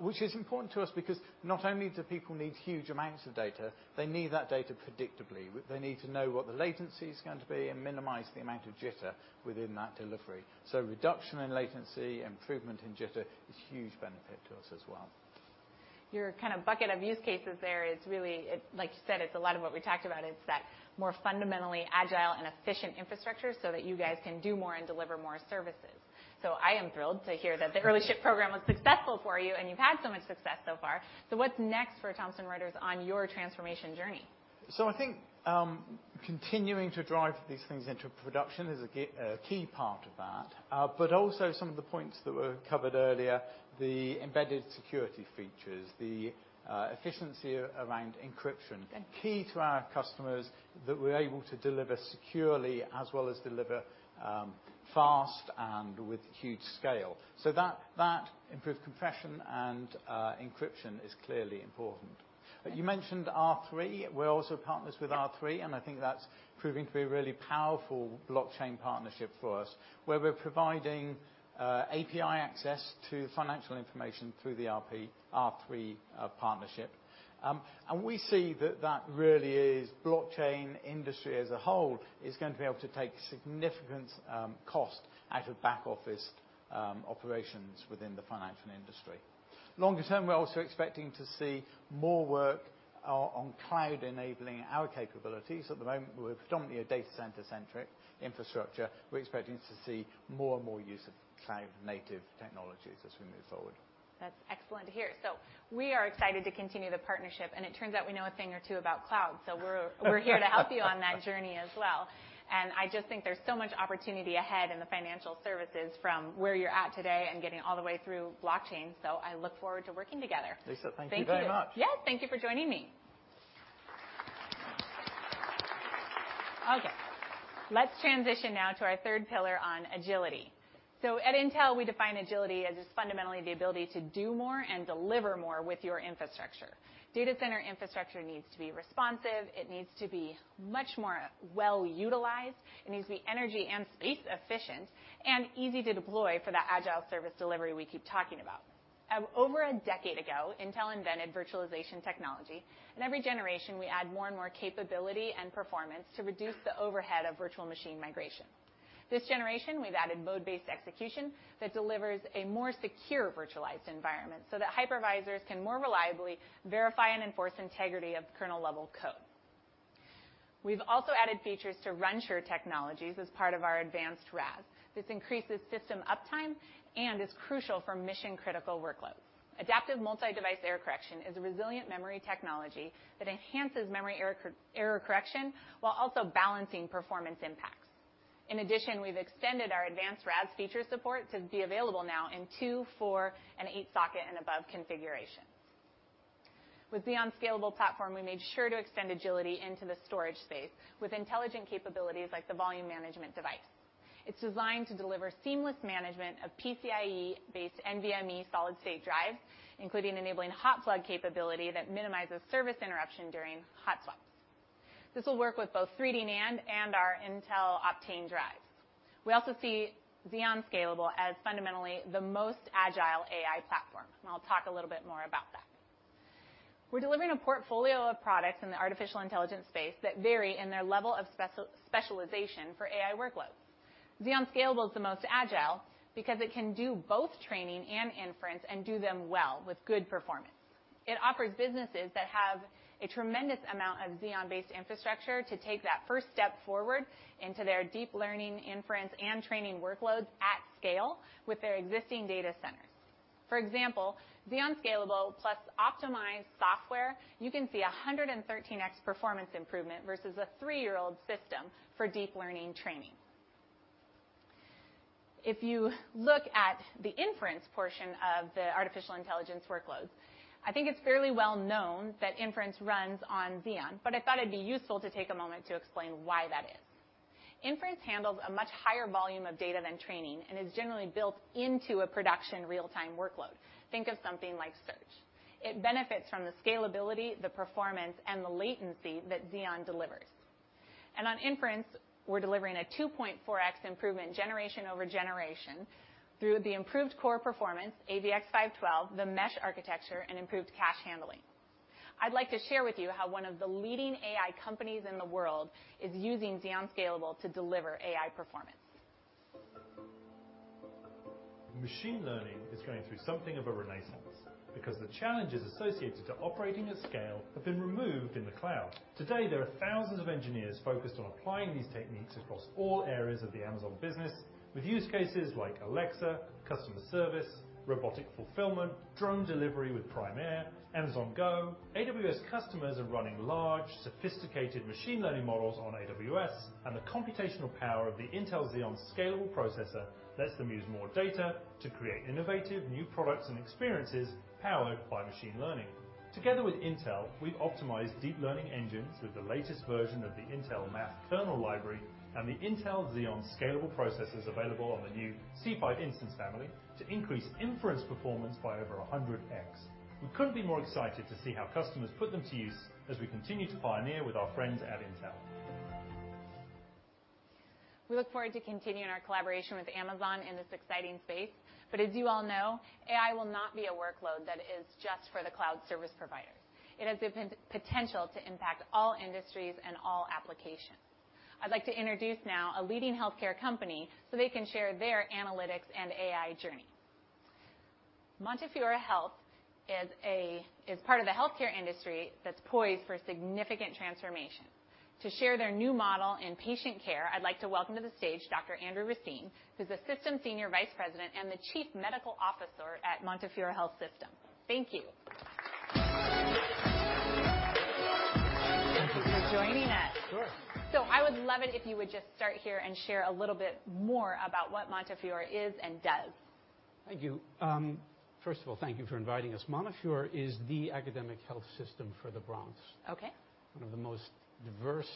which is important to us because not only do people need huge amounts of data, they need that data predictably. They need to know what the latency's going to be and minimize the amount of jitter within that delivery. Reduction in latency, improvement in jitter is a huge benefit to us as well. Your bucket of use cases there is really, like you said, it's a lot of what we talked about, is that more fundamentally agile and efficient infrastructure so that you guys can do more and deliver more services. I am thrilled to hear that the early ship program was successful for you, and you've had so much success so far. What's next for Thomson Reuters on your transformation journey? I think continuing to drive these things into production is a key part of that. Also some of the points that were covered earlier, the embedded security features, the efficiency around encryption- Okay key to our customers that we're able to deliver securely as well as deliver fast and with huge scale. That improved compression and encryption is clearly important. You mentioned R3. We're also partners with R3, and I think that's proving to be a really powerful blockchain partnership for us, where we're providing API access to financial information through the R3 partnership. We see that really is, blockchain industry as a whole is going to be able to take significant cost out of back office operations within the financial industry. Longer term, we're also expecting to see more work on cloud enabling our capabilities. At the moment, we're predominantly a data center-centric infrastructure. We're expecting to see more and more use of cloud-native technologies as we move forward. That's excellent to hear. We are excited to continue the partnership, and it turns out we know a thing or two about cloud. We're here to help you on that journey as well. I just think there's so much opportunity ahead in the financial services from where you're at today and getting all the way through blockchain. I look forward to working together. Lisa, thank you very much. Thank you. Yes, thank you for joining me. Let's transition now to our third pillar on agility. At Intel, we define agility as just fundamentally the ability to do more and deliver more with your infrastructure. Data center infrastructure needs to be responsive. It needs to be much more well-utilized. It needs to be energy and space efficient and easy to deploy for that agile service delivery we keep talking about. Over a decade ago, Intel invented virtualization technology. In every generation, we add more and more capability and performance to reduce the overhead of virtual machine migration. This generation, we've added mode-based execution that delivers a more secure virtualized environment that hypervisors can more reliably verify and enforce integrity of kernel-level code. We've also added features to run sure technologies as part of our advanced RAS. This increases system uptime and is crucial for mission-critical workloads. Adaptive multi-device error correction is a resilient memory technology that enhances memory error correction while also balancing performance impacts. In addition, we've extended our advanced RAS feature support to be available now in 2, 4, and 8-socket and above configurations. With Xeon Scalable platform, we made sure to extend agility into the storage space with intelligent capabilities like the volume management device. It's designed to deliver seamless management of PCIe-based NVMe solid-state drives, including enabling hot plug capability that minimizes service interruption during hot swaps. This will work with both 3D NAND and our Intel Optane drives. We also see Xeon Scalable as fundamentally the most agile AI platform, and I'll talk a little bit more about that. We're delivering a portfolio of products in the artificial intelligence space that vary in their level of specialization for AI workloads. Xeon Scalable is the most agile because it can do both training and inference and do them well with good performance. It offers businesses that have a tremendous amount of Xeon-based infrastructure to take that first step forward into their deep learning inference and training workloads at scale with their existing data centers. For example, Xeon Scalable plus optimized software, you can see 113x performance improvement versus a three-year-old system for deep learning training. If you look at the inference portion of the artificial intelligence workloads, I think it's fairly well known that inference runs on Xeon, but I thought it'd be useful to take a moment to explain why that is. Inference handles a much higher volume of data than training and is generally built into a production real-time workload. Think of something like search. It benefits from the scalability, the performance, and the latency that Xeon delivers. On inference, we're delivering a 2.4x improvement generation over generation through the improved core performance, AVX-512, the mesh architecture, and improved cache handling. I'd like to share with you how one of the leading AI companies in the world is using Xeon Scalable to deliver AI performance. Machine learning is going through something of a renaissance because the challenges associated to operating at scale have been removed in the cloud. Today, there are thousands of engineers focused on applying these techniques across all areas of the Amazon business with use cases like Alexa, customer service, robotic fulfillment, drone delivery with Prime Air, Amazon Go. AWS customers are running large, sophisticated machine learning models on AWS, and the computational power of the Intel Xeon Scalable processor lets them use more data to create innovative new products and experiences powered by machine learning. Together with Intel, we've optimized deep learning engines with the latest version of the Intel Math Kernel Library and the Intel Xeon Scalable processors available on the new C5 instance family to increase inference performance by over 100x. We couldn't be more excited to see how customers put them to use as we continue to pioneer with our friends at Intel. We look forward to continuing our collaboration with Amazon in this exciting space. As you all know, AI will not be a workload that is just for the cloud service providers. It has the potential to impact all industries and all applications. I'd like to introduce now a leading healthcare company so they can share their analytics and AI journey. Montefiore Health is part of the healthcare industry that's poised for significant transformation. To share their new model in patient care, I'd like to welcome to the stage Dr. Andrew Racine, who's Assistant Senior Vice President and the Chief Medical Officer at Montefiore Health System. Thank you. Thank you for joining us. Sure. I would love it if you would just start here and share a little more about what Montefiore is and does. Thank you. First of all, thank you for inviting us. Montefiore is the academic health system for the Bronx. Okay. One of the most diverse,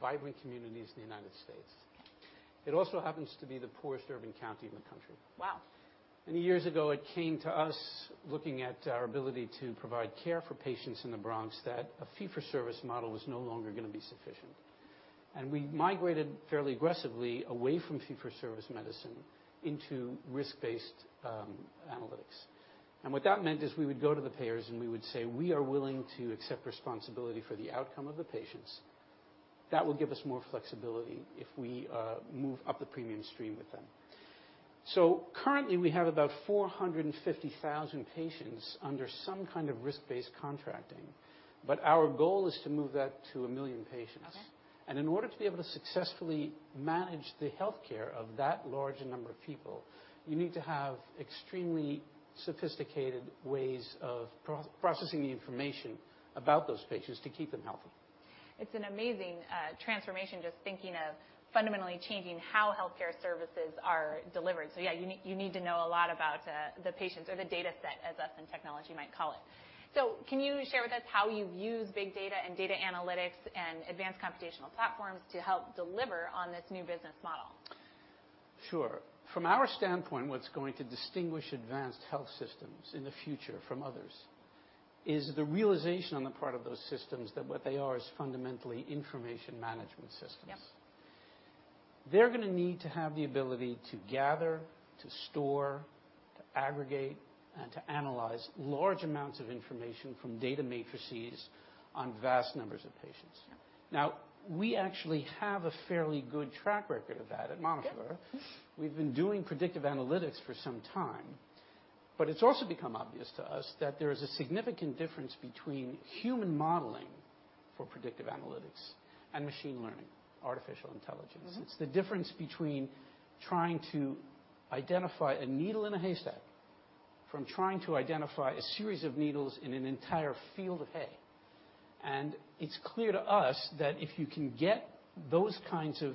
vibrant communities in the United States. It also happens to be the poorest urban county in the country. Wow. Many years ago, it came to us looking at our ability to provide care for patients in the Bronx that a fee-for-service model was no longer going to be sufficient. We migrated fairly aggressively away from fee-for-service medicine into risk-based analytics. What that meant is we would go to the payers, and we would say, "We are willing to accept responsibility for the outcome of the patients. That will give us more flexibility if we move up the premium stream with them." Currently, we have about 450,000 patients under some kind of risk-based contracting, but our goal is to move that to 1 million patients. Okay. In order to be able to successfully manage the healthcare of that large number of people, you need to have extremely sophisticated ways of processing the information about those patients to keep them healthy. It's an amazing transformation, just thinking of fundamentally changing how healthcare services are delivered. Yeah, you need to know a lot about the patients or the data set as us in technology might call it. Can you share with us how you've used big data and data analytics and advanced computational platforms to help deliver on this new business model? Sure. From our standpoint, what's going to distinguish advanced health systems in the future from others is the realization on the part of those systems that what they are is fundamentally information management systems. Yep. They're going to need to have the ability to gather, to store, to aggregate, and to analyze large amounts of information from data matrices on vast numbers of patients. Yep. We actually have a fairly good track record of that at Montefiore. Yep. We've been doing predictive analytics for some time, but it's also become obvious to us that there is a significant difference between human modeling for predictive analytics and machine learning, artificial intelligence. It's the difference between trying to identify a needle in a haystack from trying to identify a series of needles in an entire field of hay. It's clear to us that if you can get those kinds of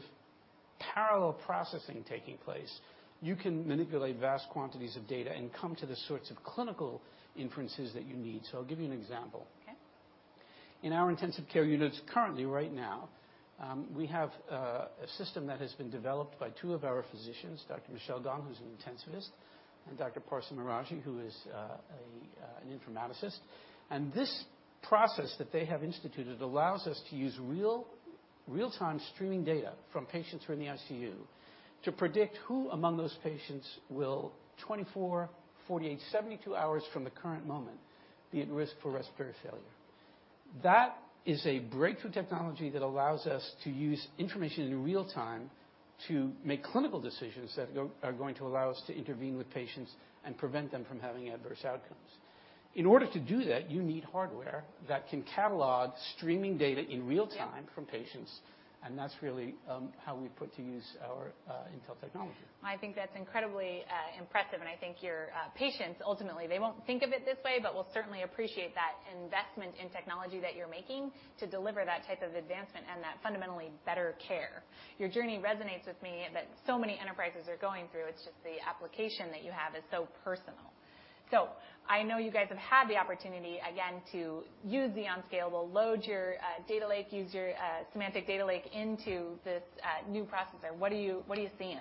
parallel processing taking place, you can manipulate vast quantities of data and come to the sorts of clinical inferences that you need. I'll give you an example. Okay. In our intensive care units currently right now, we have a system that has been developed by two of our physicians, Dr. Michelle Dunn, who is an intensivist, and Dr. Parsa Mirhaji, who is an informaticist. This process that they have instituted allows us to use real-time streaming data from patients who are in the ICU to predict who among those patients will, 24, 48, 72 hours from the current moment, be at risk for respiratory failure. That is a breakthrough technology that allows us to use information in real time to make clinical decisions that are going to allow us to intervene with patients and prevent them from having adverse outcomes. In order to do that, you need hardware that can catalog streaming data in real time- Yep from patients. That's really how we put to use our Intel technology. I think that's incredibly impressive. I think your patients, ultimately, they won't think of it this way, but will certainly appreciate that investment in technology that you're making to deliver that type of advancement and that fundamentally better care. Your journey resonates with me that so many enterprises are going through. It's just the application that you have is so personal. I know you guys have had the opportunity again to use the Xeon Scalable, your data lake, use your semantic data lake into this new processor. What are you seeing?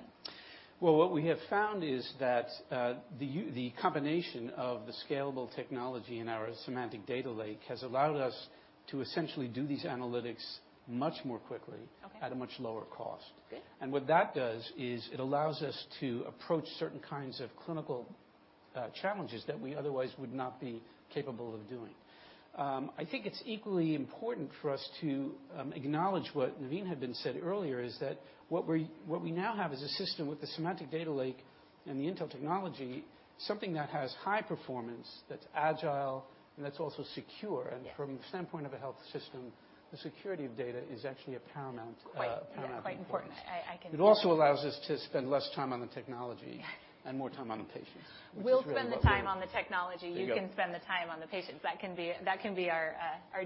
Well, what we have found is that the combination of the scalable technology and our semantic data lake has allowed us to essentially do these analytics much more quickly- Okay at a much lower cost. Good. What that does is it allows us to approach certain kinds of clinical challenges that we otherwise would not be capable of doing. I think it's equally important for us to acknowledge what Navin had been said earlier, is that what we now have is a system with a semantic data lake and the Intel technology, something that has high performance, that's agile, and that's also secure. Yes. From the standpoint of a health system, the security of data is actually a paramount. Quite important. paramount importance. I can- It also allows us to spend less time on the technology- Yeah more time on the patients, which is really what we want. We'll spend the time on the technology. There you go. You can spend the time on the patients. That can be our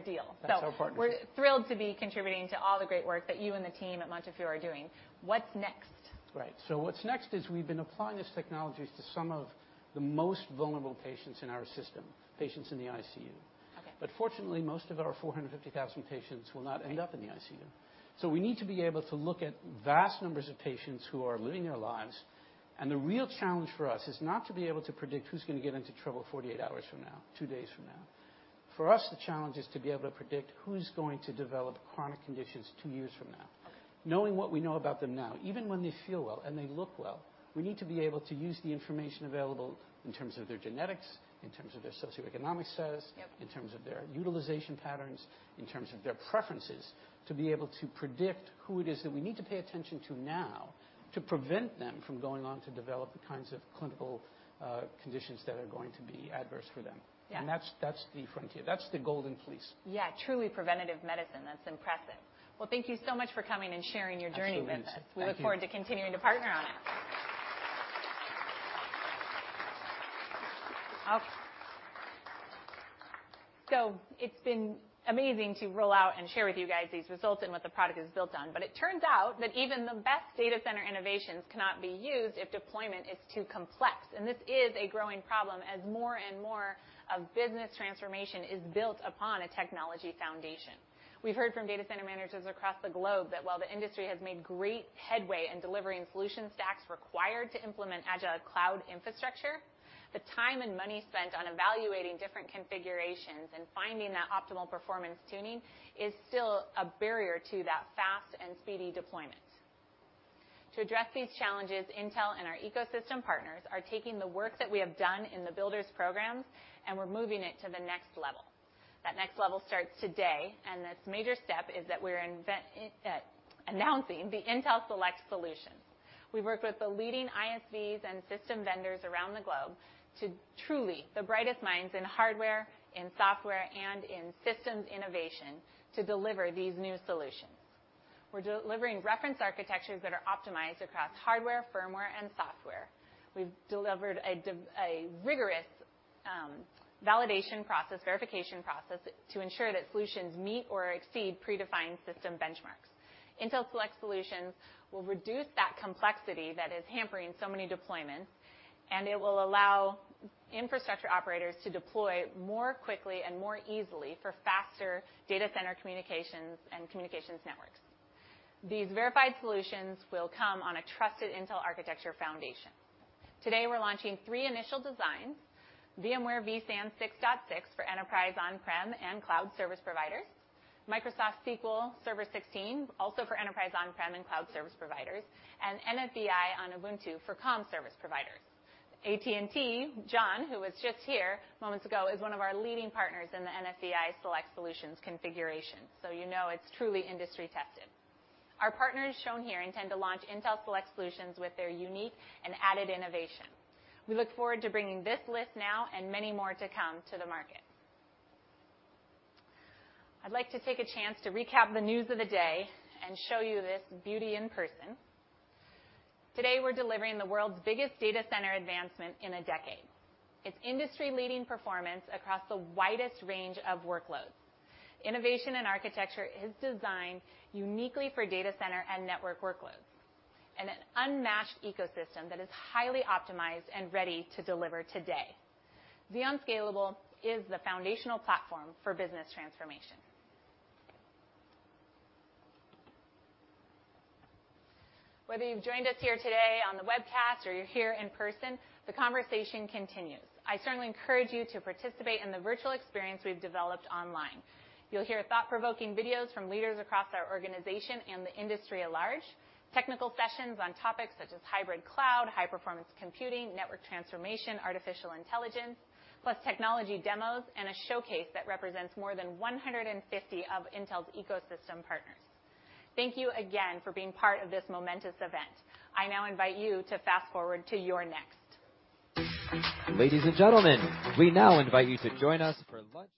deal. That's our part. We're thrilled to be contributing to all the great work that you and the team at Montefiore are doing. What's next? Right. What's next is we've been applying these technologies to some of the most vulnerable patients in our system, patients in the ICU. Okay. Fortunately, most of our 450,000 patients will not end up in the ICU. We need to be able to look at vast numbers of patients who are living their lives, and the real challenge for us is not to be able to predict who's going to get into trouble 48 hours from now, two days from now. For us, the challenge is to be able to predict who's going to develop chronic conditions two years from now. Okay. Knowing what we know about them now, even when they feel well and they look well, we need to be able to use the information available in terms of their genetics, in terms of their socioeconomic status. Yep in terms of their utilization patterns, in terms of their preferences, to be able to predict who it is that we need to pay attention to now to prevent them from going on to develop the kinds of clinical conditions that are going to be adverse for them. Yeah. That's the frontier. That's the golden fleece. Yeah, truly preventative medicine. That's impressive. Well, thank you so much for coming and sharing your journey with us. Absolutely. Thank you. We look forward to continuing to partner on it. It's been amazing to roll out and share with you guys these results and what the product is built on. It turns out that even the best data center innovations cannot be used if deployment is too complex. This is a growing problem as more and more of business transformation is built upon a technology foundation. We've heard from data center managers across the globe that while the industry has made great headway in delivering solution stacks required to implement agile cloud infrastructure, the time and money spent on evaluating different configurations and finding that optimal performance tuning is still a barrier to that fast and speedy deployment. To address these challenges, Intel and our ecosystem partners are taking the work that we have done in the Builders programs, we're moving it to the next level. That next level starts today. This major step is that we're announcing the Intel Select Solutions. We've worked with the leading ISVs and system vendors around the globe to truly the brightest minds in hardware, in software, and in systems innovation to deliver these new solutions. We're delivering reference architectures that are optimized across hardware, firmware, and software. We've delivered a rigorous validation process, verification process to ensure that solutions meet or exceed predefined system benchmarks. Intel Select Solutions will reduce that complexity that is hampering so many deployments. It will allow infrastructure operators to deploy more quickly and more easily for faster data center communications and communications networks. These verified solutions will come on a trusted Intel architecture foundation. Today, we're launching three initial designs, VMware vSAN 6.6 for enterprise on-prem and cloud service providers, Microsoft SQL Server 2016, also for enterprise on-prem and cloud service providers, and NFVI on Ubuntu for comm service providers. AT&T, John, who was just here moments ago, is one of our leading partners in the NFVI Select Solutions configuration. You know it's truly industry-tested. Our partners shown here intend to launch Intel Select Solutions with their unique and added innovation. We look forward to bringing this list now and many more to come to the market. I'd like to take a chance to recap the news of the day and show you this beauty in person. Today, we're delivering the world's biggest data center advancement in a decade. It's industry-leading performance across the widest range of workloads. Innovation and architecture is designed uniquely for data center and network workloads, and an unmatched ecosystem that is highly optimized and ready to deliver today. Xeon Scalable is the foundational platform for business transformation. Whether you've joined us here today on the webcast or you're here in person, the conversation continues. I certainly encourage you to participate in the virtual experience we've developed online. You'll hear thought-provoking videos from leaders across our organization and the industry at large, technical sessions on topics such as hybrid cloud, high-performance computing, network transformation, artificial intelligence, plus technology demos, and a showcase that represents more than 150 of Intel's ecosystem partners. Thank you again for being part of this momentous event. I now invite you to fast-forward to your next. Ladies and gentlemen, we now invite you to join us for lunch.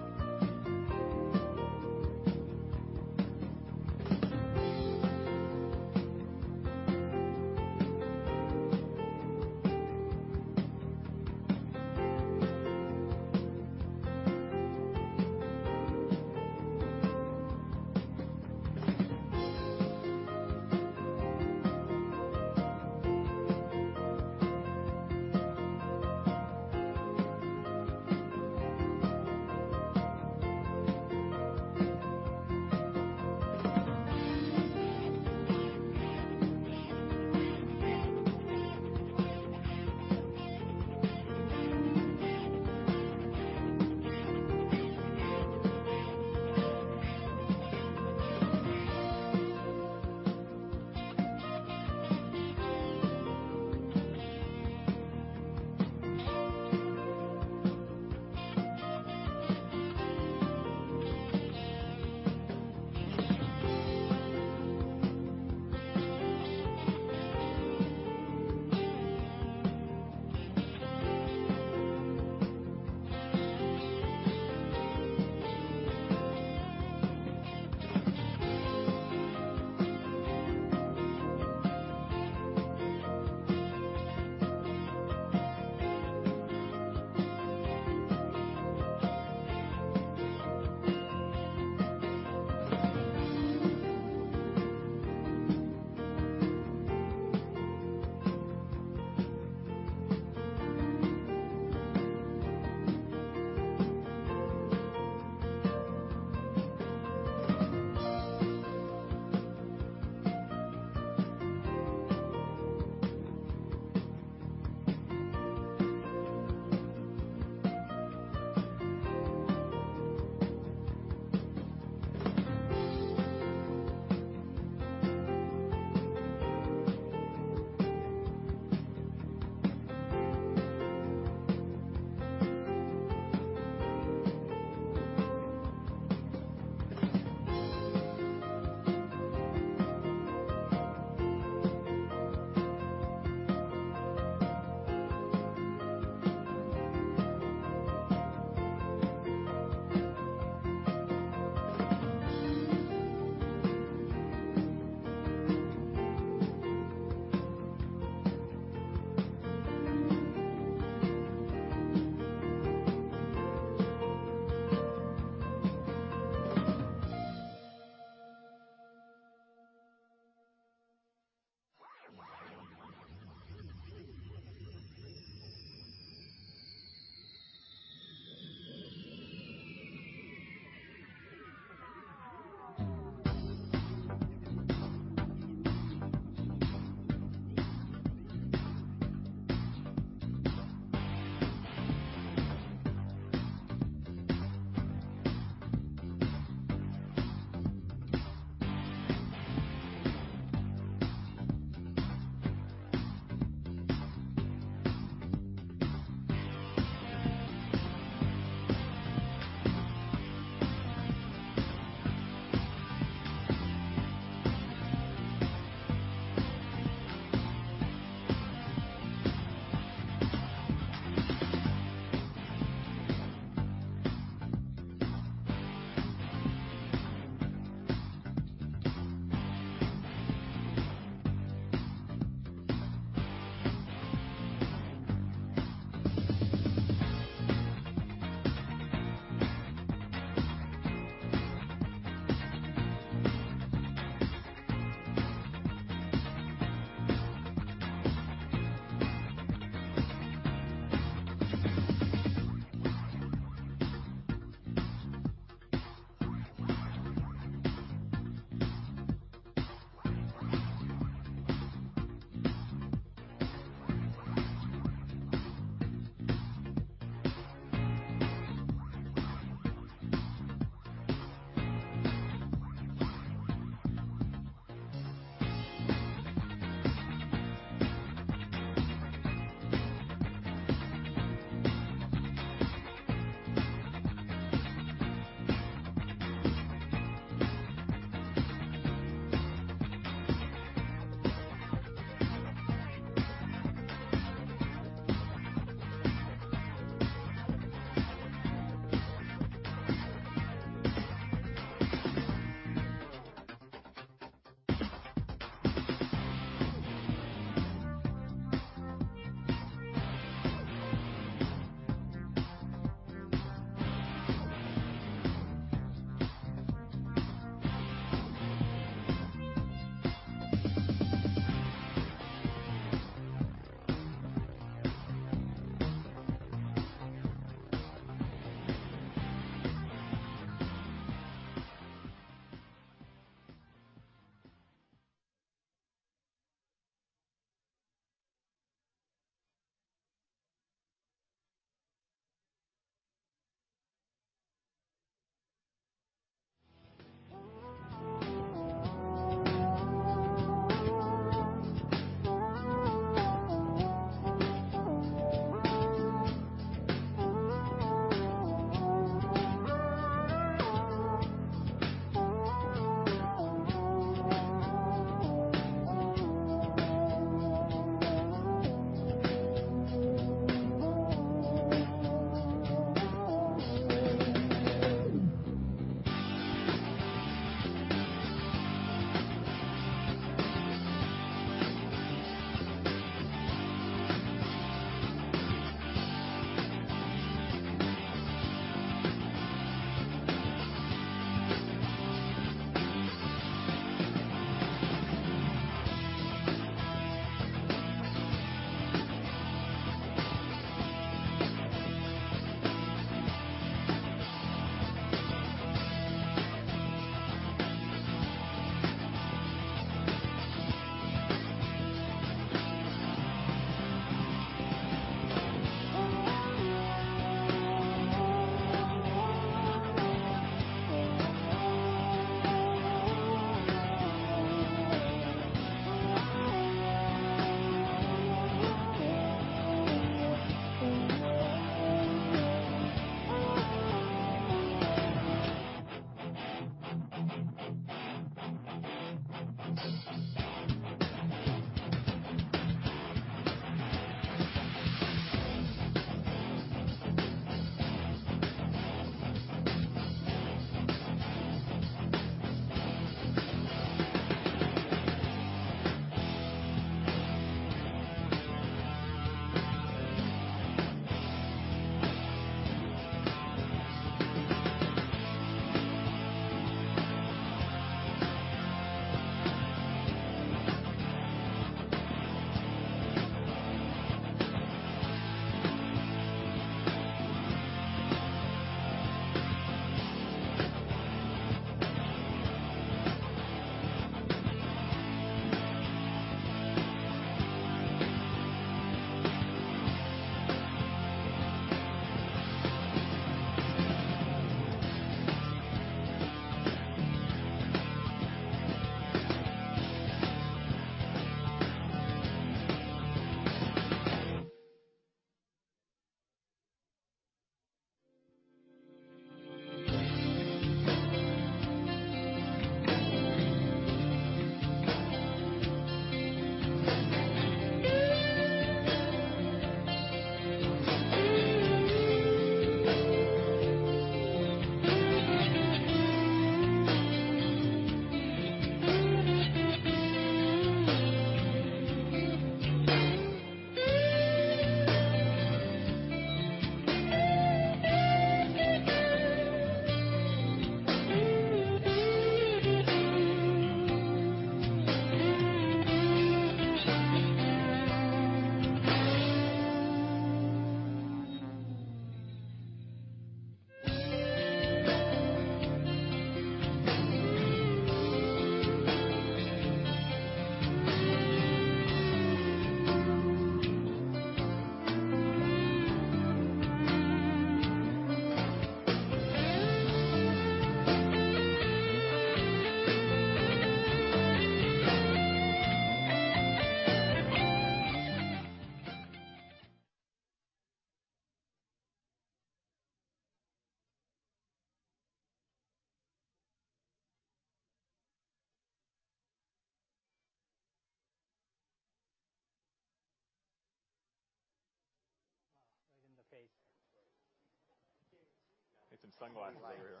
sunglasses over here.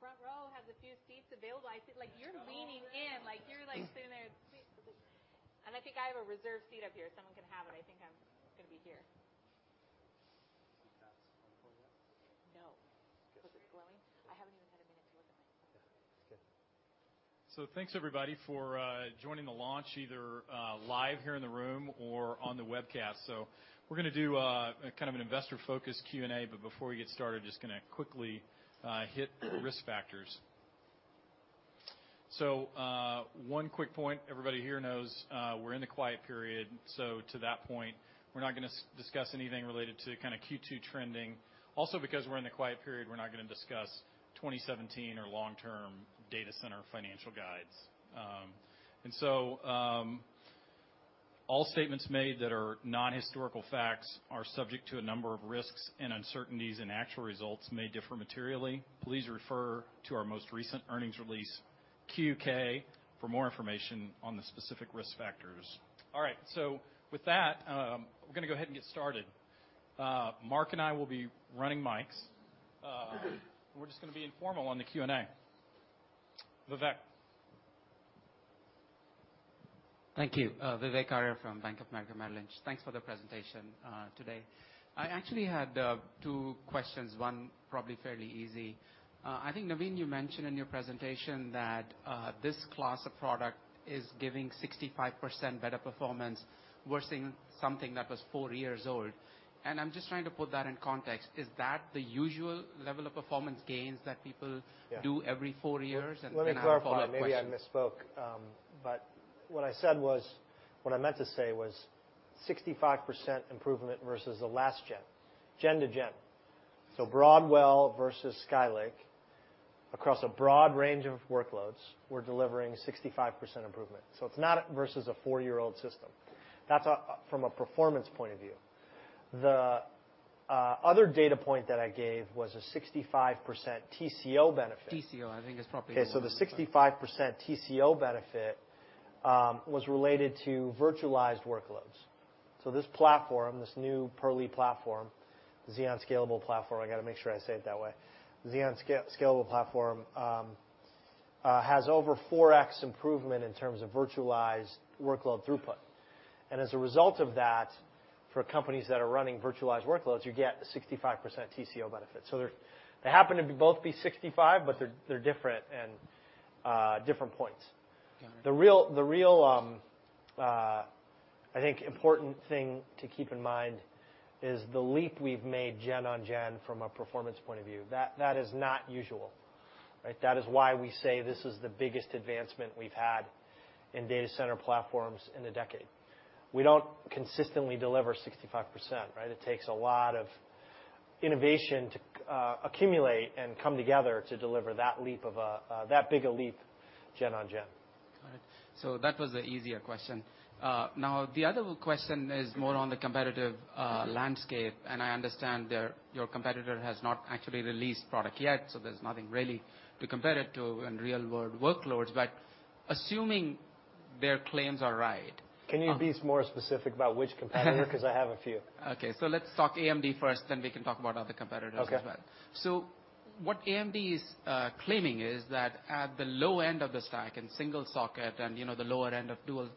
Front row has a few seats available. I see you're leaning in. You're sitting there. I think I have a reserved seat up here. Someone can have it. I think I'm going to be here. See stats on the formula? No. Good. It's glowing? I haven't even had a minute to look at my phone. It's good. Thanks everybody for joining the launch, either live here in the room or on the webcast. We're going to do an investor-focused Q&A, but before we get started, just going to quickly hit risk factors. One quick point, everybody here knows we're in the quiet period. To that point, we're not going to discuss anything related to Q2 trending. Also, because we're in the quiet period, we're not going to discuss 2017 or long-term data center financial guides. All statements made that are non-historical facts are subject to a number of risks and uncertainties, and actual results may differ materially. Please refer to our most recent earnings release, 10-K, for more information on the specific risk factors. All right. With that, we're going to go ahead and get started. Mark and I will be running mics. We're just going to be informal on the Q&A. Vivek. Thank you. Vivek Arya from Bank of America Merrill Lynch. Thanks for the presentation today. I actually had two questions, one probably fairly easy. I think, Navin, you mentioned in your presentation that this class of product is giving 65% better performance versus something that was four years old. I'm just trying to put that in context. Is that the usual level of performance gains that people- Yeah do every four years? I have a follow-up question. Let me clarify, maybe I misspoke. What I meant to say was 65% improvement versus the last gen to gen. Broadwell versus Skylake, across a broad range of workloads, we're delivering 65% improvement. It's not versus a four-year-old system. That's from a performance point of view. The other data point that I gave was a 65% TCO benefit. TCO, I think is probably. Okay, the 65% TCO benefit was related to virtualized workloads. This platform, this new Purley platform, the Xeon Scalable platform, I got to make sure I say it that way. The Xeon Scalable platform has over 4x improvement in terms of virtualized workload throughput. As a result of that, for companies that are running virtualized workloads, you get 65% TCO benefit. They happen to both be 65, but they're different and different points. Got it. The real, I think, important thing to keep in mind is the leap we've made gen on gen from a performance point of view. That is not usual, right? That is why we say this is the biggest advancement we've had in data center platforms in a decade. We don't consistently deliver 65%, right? It takes a lot of innovation to accumulate and come together to deliver that big a leap, gen on gen. All right. That was the easier question. The other question is more on the competitive landscape, I understand your competitor has not actually released the product yet, there's nothing really to compare it to in real-world workloads. Assuming their claims are right. Can you be more specific about which competitor? I have a few. Okay. Let's talk AMD first. We can talk about other competitors as well. Okay. What AMD is claiming is that at the low end of the stack in single socket and the lower end of dual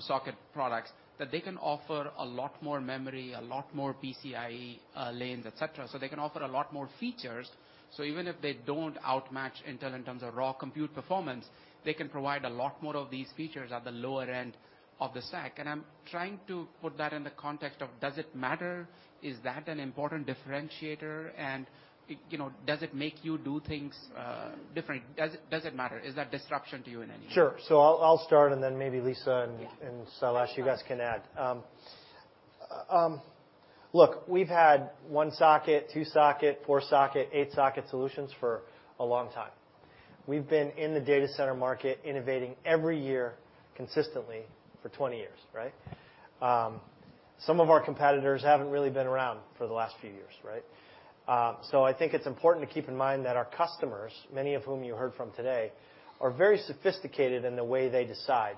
socket products, that they can offer a lot more memory, a lot more PCIe lanes, et cetera. They can offer a lot more features. Even if they don't outmatch Intel in terms of raw compute performance, they can provide a lot more of these features at the lower end of the stack. I'm trying to put that in the context of does it matter? Is that an important differentiator? Does it make you do things different? Does it matter? Is that disruption to you in any way? Sure. I'll start and then maybe Lisa and Sailesh, you guys can add. Look, we've had 1 socket, 2 socket, 4 socket, 8 socket solutions for a long time. We've been in the data center market innovating every year consistently for 20 years, right? Some of our competitors haven't really been around for the last few years, right? I think it's important to keep in mind that our customers, many of whom you heard from today, are very sophisticated in the way they decide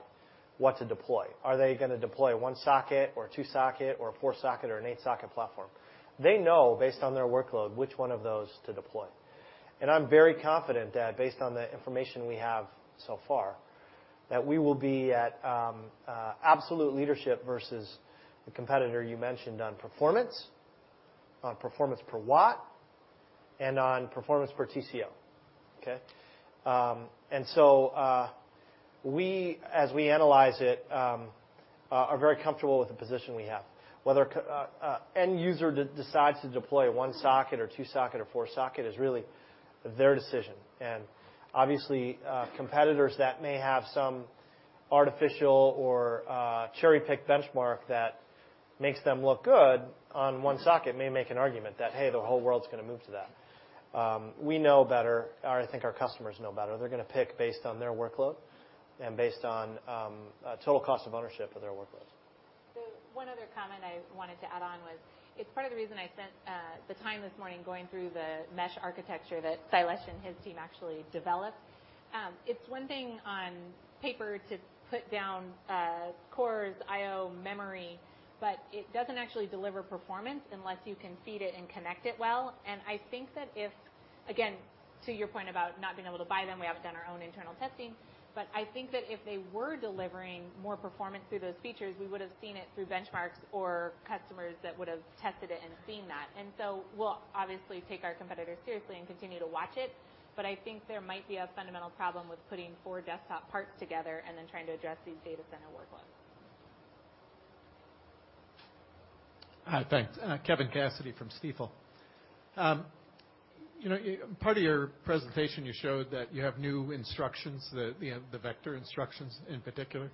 what to deploy. Are they going to deploy a 1 socket or a 2 socket or a 4 socket or an 8 socket platform? They know based on their workload, which one of those to deploy. I'm very confident that based on the information we have so far, that we will be at absolute leadership versus the competitor you mentioned on performance, on performance per watt, and on performance per TCO. Okay? We, as we analyze it, are very comfortable with the position we have, whether end user decides to deploy a 1 socket or 2 socket or 4 socket is really their decision, and obviously, competitors that may have some artificial or cherry-picked benchmark that makes them look good on 1 socket may make an argument that, hey, the whole world's going to move to that. We know better, or I think our customers know better. They're going to pick based on their workload and based on total cost of ownership of their workload. One other comment I wanted to add on was, it's part of the reason I spent the time this morning going through the mesh architecture that Sailesh and his team actually developed. It's one thing on paper to put down cores, IO, memory, but it doesn't actually deliver performance unless you can feed it and connect it well. I think that if, again, to your point about not being able to buy them, we have done our own internal testing, I think that if they were delivering more performance through those features, we would've seen it through benchmarks or customers that would've tested it and seen that. We'll obviously take our competitors seriously and continue to watch it, I think there might be a fundamental problem with putting four desktop parts together and then trying to address these data center workloads. Hi, thanks. Kevin Cassidy from Stifel. Part of your presentation you showed that you have new instructions, the vector instructions in particular.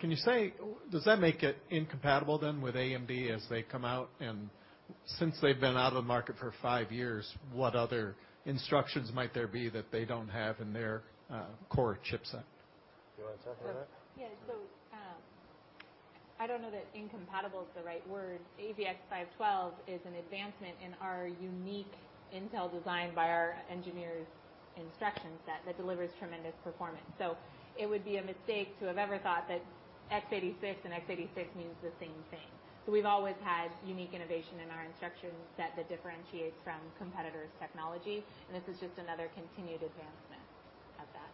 Can you say, does that make it incompatible then with AMD as they come out? Since they've been out of the market for five years, what other instructions might there be that they don't have in their core chip set? Do you want to talk about that? Yeah. I don't know that incompatible is the right word. AVX512 is an advancement in our unique Intel design by our engineers instruction set that delivers tremendous performance. It would be a mistake to have ever thought that x86 and x86 means the same thing. We've always had unique innovation in our instruction set that differentiates from competitors' technology, this is just another continued advancement of that.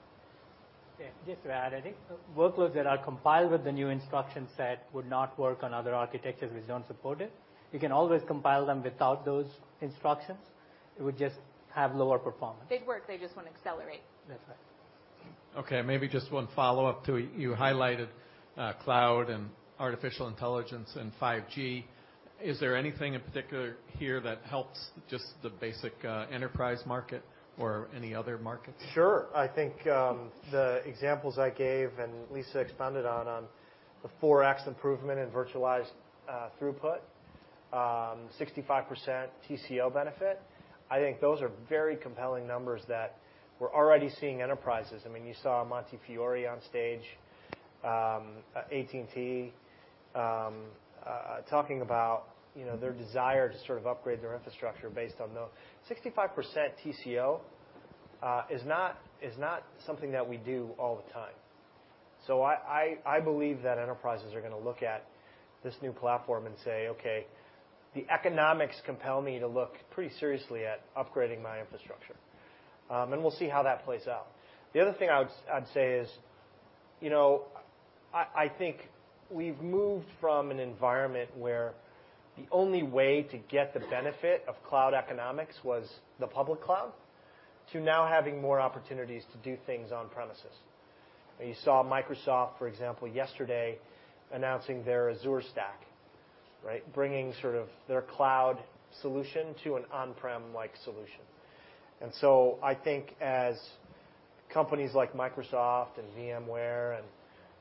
Yeah. Just to add, I think workloads that are compiled with the new instruction set would not work on other architectures which don't support it. You can always compile them without those instructions. It would just have lower performance. They'd work, they just wouldn't accelerate. That's right. Okay, maybe just one follow-up to it. You highlighted cloud and artificial intelligence and 5G. Is there anything in particular here that helps just the basic enterprise market or any other markets? Sure. I think the examples I gave, and Lisa expounded on the 4x improvement in virtualized throughput, 65% TCO benefit, I think those are very compelling numbers that we're already seeing enterprises. You saw Montefiore on stage, AT&T, talking about their desire to upgrade their infrastructure based on those. 65% TCO is not something that we do all the time. I believe that enterprises are going to look at this new platform and say, "Okay. The economics compel me to look pretty seriously at upgrading my infrastructure." We'll see how that plays out. The other thing I'd say is, I think we've moved from an environment where the only way to get the benefit of cloud economics was the public cloud, to now having more opportunities to do things on premises. You saw Microsoft, for example, yesterday, announcing their Azure Stack, bringing their cloud solution to an on-prem-like solution. I think as companies like Microsoft and VMware, and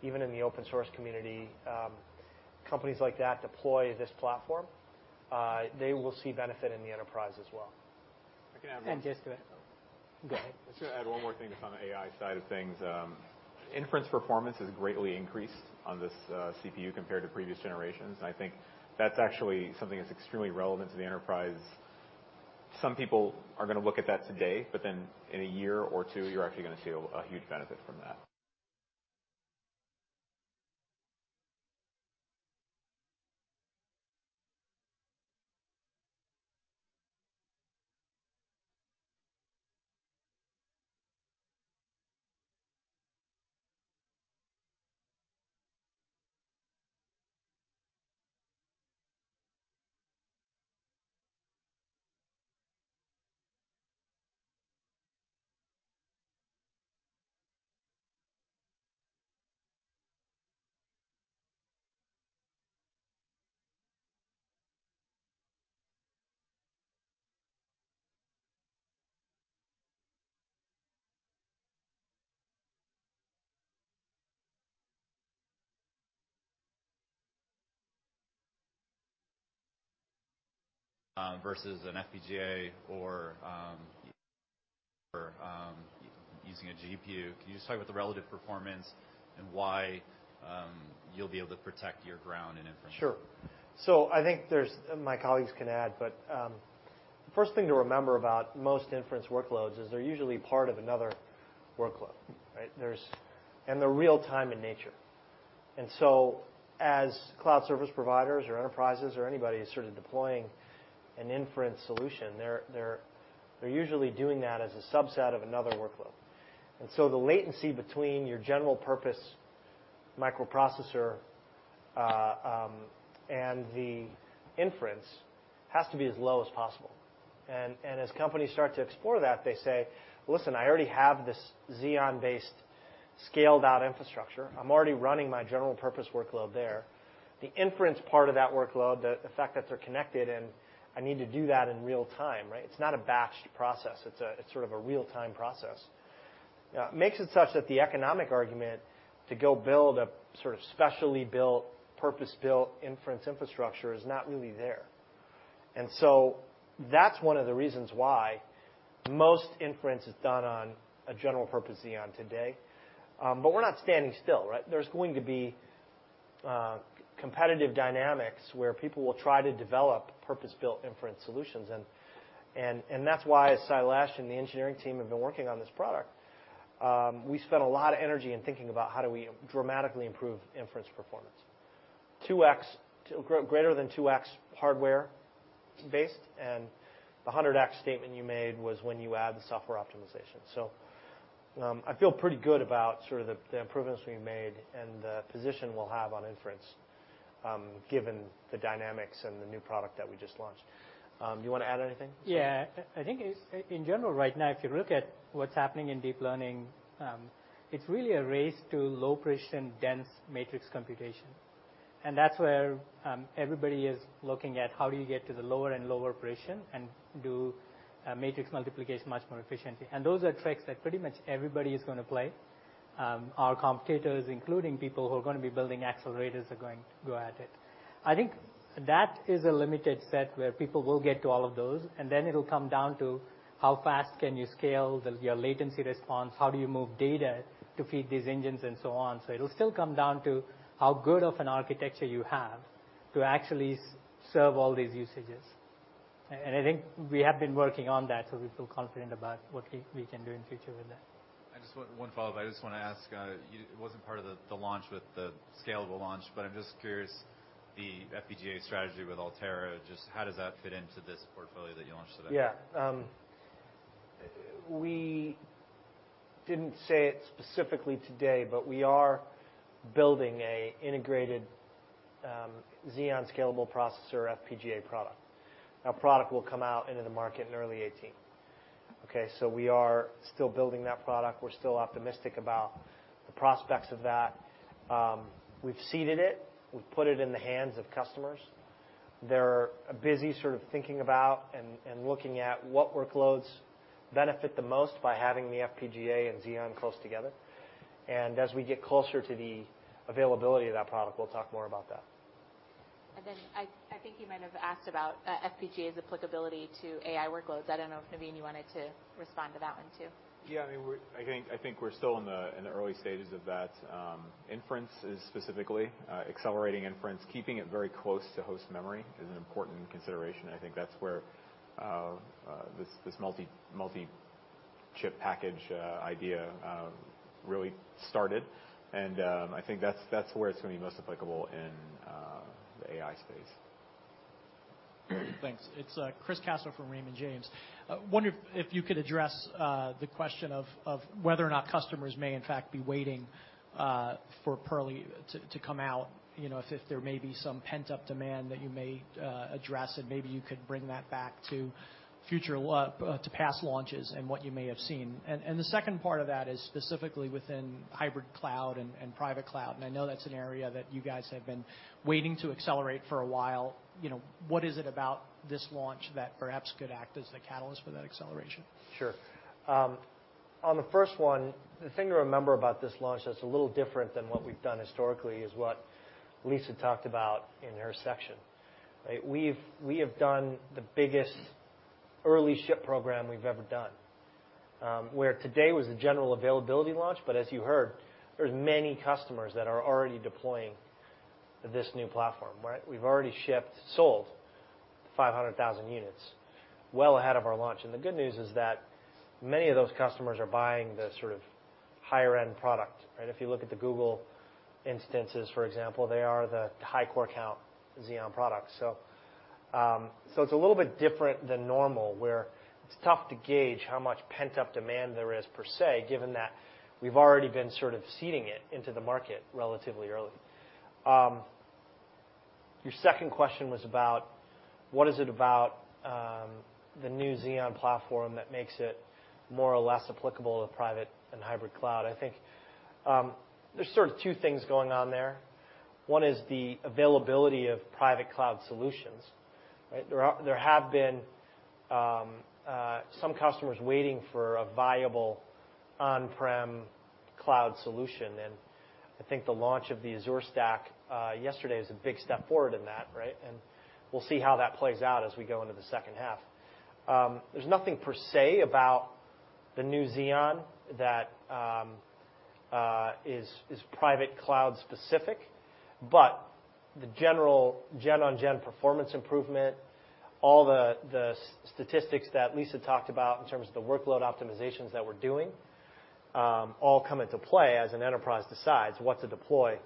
even in the open source community, companies like that deploy this platform, they will see benefit in the enterprise as well. I can add- Just to add. Go ahead. I was going to add one more thing just on the AI side of things. Inference performance is greatly increased on this CPU compared to previous generations, and I think that's actually something that's extremely relevant to the enterprise. Some people are going to look at that today, but then in a year or two, you're actually going to see a huge benefit from that. Versus an FPGA or using a GPU. Can you just talk about the relative performance and why you'll be able to protect your ground in inference? Sure. I think there's, my colleagues can add, but the first thing to remember about most inference workloads is they're usually part of another workload, right? They're real-time in nature. As cloud service providers or enterprises or anybody is deploying an inference solution, they're usually doing that as a subset of another workload. The latency between your general purpose microprocessor and the inference has to be as low as possible. As companies start to explore that, they say, "Listen, I already have this Xeon-based, scaled-out infrastructure. I'm already running my general purpose workload there." The inference part of that workload, the fact that they're connected and I need to do that in real time, right? It's not a batched process. It's a real-time process. Makes it such that the economic argument to go build a specially built, purpose-built inference infrastructure is not really there. That's one of the reasons why most inference is done on a general purpose Xeon today. We're not standing still, right? There's going to be competitive dynamics where people will try to develop purpose-built inference solutions, and that's why Sailesh and the engineering team have been working on this product. We spent a lot of energy in thinking about how do we dramatically improve inference performance. Greater than 2x hardware based, and the 100x statement you made was when you add the software optimization. I feel pretty good about the improvements being made and the position we'll have on inference given the dynamics and the new product that we just launched. You want to add anything? Yeah. I think in general right now, if you look at what's happening in deep learning, it's really a race to low precision dense matrix computation. That's where everybody is looking at how do you get to the lower and lower precision and do matrix multiplication much more efficiently. Those are tricks that pretty much everybody is going to play. Our competitors, including people who are going to be building accelerators, are going to go at it. I think that is a limited set where people will get to all of those, then it'll come down to how fast can you scale your latency response, how do you move data to feed these engines, and so on. It'll still come down to how good of an architecture you have to actually serve all these usages. I think we have been working on that, we feel confident about what we can do in the future with that. I just want one follow-up. I just want to ask, it wasn't part of the launch with the scalable launch, I'm just curious, the FPGA strategy with Altera, just how does that fit into this portfolio that you launched today? Yeah. We didn't say it specifically today, we are building an integrated Xeon Scalable processor FPGA product. That product will come out into the market in early 2018. Okay, we are still building that product. We're still optimistic about the prospects of that. We've seeded it. We've put it in the hands of customers. They're busy sort of thinking about and looking at what workloads benefit the most by having the FPGA and Xeon close together. As we get closer to the availability of that product, we'll talk more about that. I think you might have asked about FPGA's applicability to AI workloads. I don't know if, Naveen, you wanted to respond to that one, too. I think we're still in the early stages of that. Inference is specifically, accelerating inference, keeping it very close to host memory is an important consideration. I think that's where this multi-chip package idea really started, and I think that's where it's going to be most applicable in the AI space. Thanks. It's Chris Caso from Raymond James. Wonder if you could address the question of whether or not customers may in fact be waiting for Purley to come out, if there may be some pent-up demand that you may address, and maybe you could bring that back to past launches and what you may have seen. The second part of that is specifically within hybrid cloud and private cloud, and I know that's an area that you guys have been waiting to accelerate for a while. What is it about this launch that perhaps could act as the catalyst for that acceleration? Sure. On the first one, the thing to remember about this launch that's a little different than what we've done historically is what Lisa talked about in her section, right? We have done the biggest early ship program we've ever done. Where today was the general availability launch, but as you heard, there's many customers that are already deploying this new platform, right? We've already shipped, sold 500,000 units well ahead of our launch. The good news is that many of those customers are buying the sort of higher-end product, right? If you look at the Google instances, for example, they are the high core count Xeon products. It's a little bit different than normal, where it's tough to gauge how much pent-up demand there is per se, given that we've already been sort of seeding it into the market relatively early. Your second question was about what is it about the new Xeon platform that makes it more or less applicable to private and hybrid cloud. I think there's sort of two things going on there. One is the availability of private cloud solutions, right? There have been some customers waiting for a viable on-prem cloud solution, and I think the launch of the Azure Stack yesterday is a big step forward in that, right? We'll see how that plays out as we go into the second half. There's nothing per se about the new Xeon that is private cloud specific, but the general gen on gen performance improvement, all the statistics that Lisa talked about in terms of the workload optimizations that we're doing, all come into play as an enterprise decides what to deploy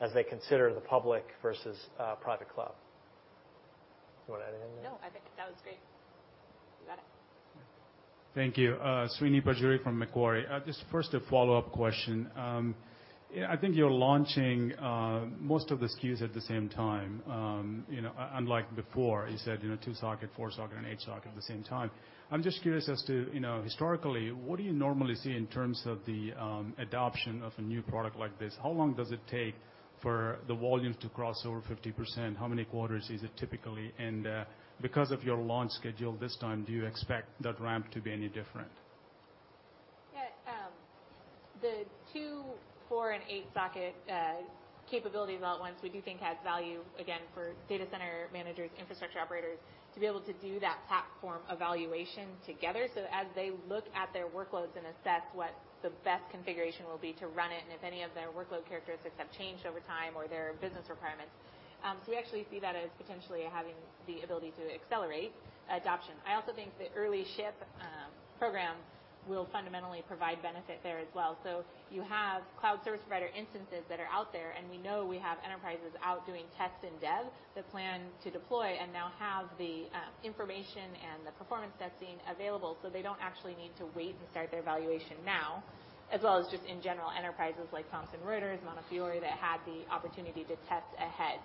as they consider the public versus private cloud. Do you want to add anything there? No, I think that was great. You got it. Okay. Thank you. Srini Pajjuri from Macquarie. Just first a follow-up question. I think you're launching most of the SKUs at the same time, unlike before. You said two socket, four socket, and eight socket at the same time. I'm just curious as to, historically, what do you normally see in terms of the adoption of a new product like this? How long does it take for the volume to cross over 50%? How many quarters is it typically? Because of your launch schedule this time, do you expect that ramp to be any different? Yeah. The two, four, and eight socket capabilities all at once, we do think adds value, again, for data center managers, infrastructure operators, to be able to do that platform evaluation together. As they look at their workloads and assess what the best configuration will be to run it, and if any of their workload characteristics have changed over time, or their business requirements. We actually see that as potentially having the ability to accelerate adoption. I also think the early ship program will fundamentally provide benefit there as well. You have cloud service provider instances that are out there, and we know we have enterprises out doing tests in dev that plan to deploy and now have the information and the performance testing available, so they don't actually need to wait and start their evaluation now. As well as just in general, enterprises like Thomson Reuters, Montefiore, that had the opportunity to test ahead.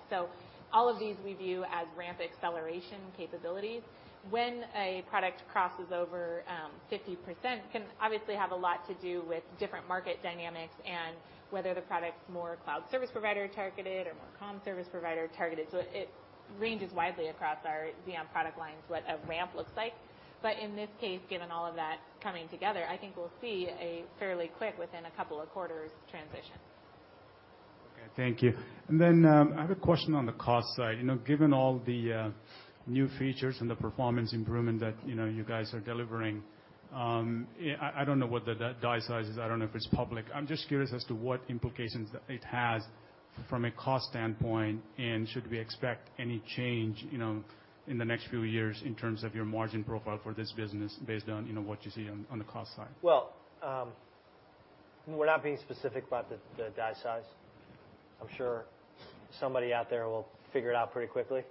All of these we view as ramp acceleration capabilities. When a product crosses over 50% can obviously have a lot to do with different market dynamics and whether the product's more cloud service provider targeted or more comm service provider targeted. It ranges widely across our Xeon product lines, what a ramp looks like. In this case, given all of that coming together, I think we'll see a fairly quick, within a couple of quarters, transition. Okay, thank you. I have a question on the cost side. Given all the new features and the performance improvement that you guys are delivering, I don't know what the die size is. I don't know if it's public. I'm just curious as to what implications it has from a cost standpoint, and should we expect any change in the next few years in terms of your margin profile for this business based on what you see on the cost side? Well, we're not being specific about the die size. I'm sure somebody out there will figure it out pretty quickly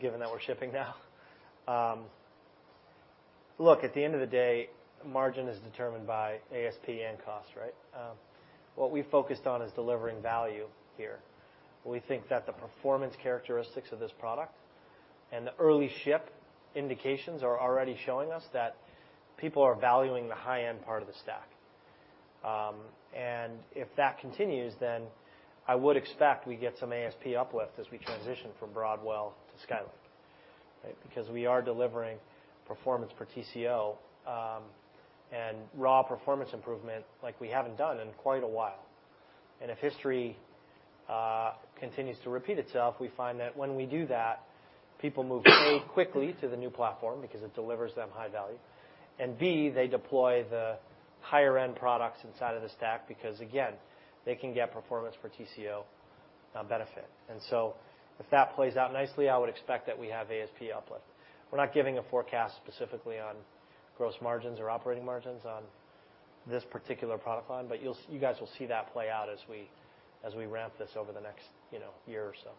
given that we're shipping now. Look, at the end of the day, margin is determined by ASP and cost, right? What we've focused on is delivering value here. We think that the performance characteristics of this product and the early ship indications are already showing us that people are valuing the high-end part of the stack. If that continues, then I would expect we get some ASP uplift as we transition from Broadwell to Skylake, right? Because we are delivering performance per TCO, and raw performance improvement like we haven't done in quite a while. If history continues to repeat itself, we find that when we do that, people move, A, quickly to the new platform because it delivers them high value, and B, they deploy the higher-end products inside of the stack because, again, they can get performance per TCO benefit. If that plays out nicely, I would expect that we have ASP uplift. We're not giving a forecast specifically on gross margins or operating margins on this particular product line, but you guys will see that play out as we ramp this over the next year or so.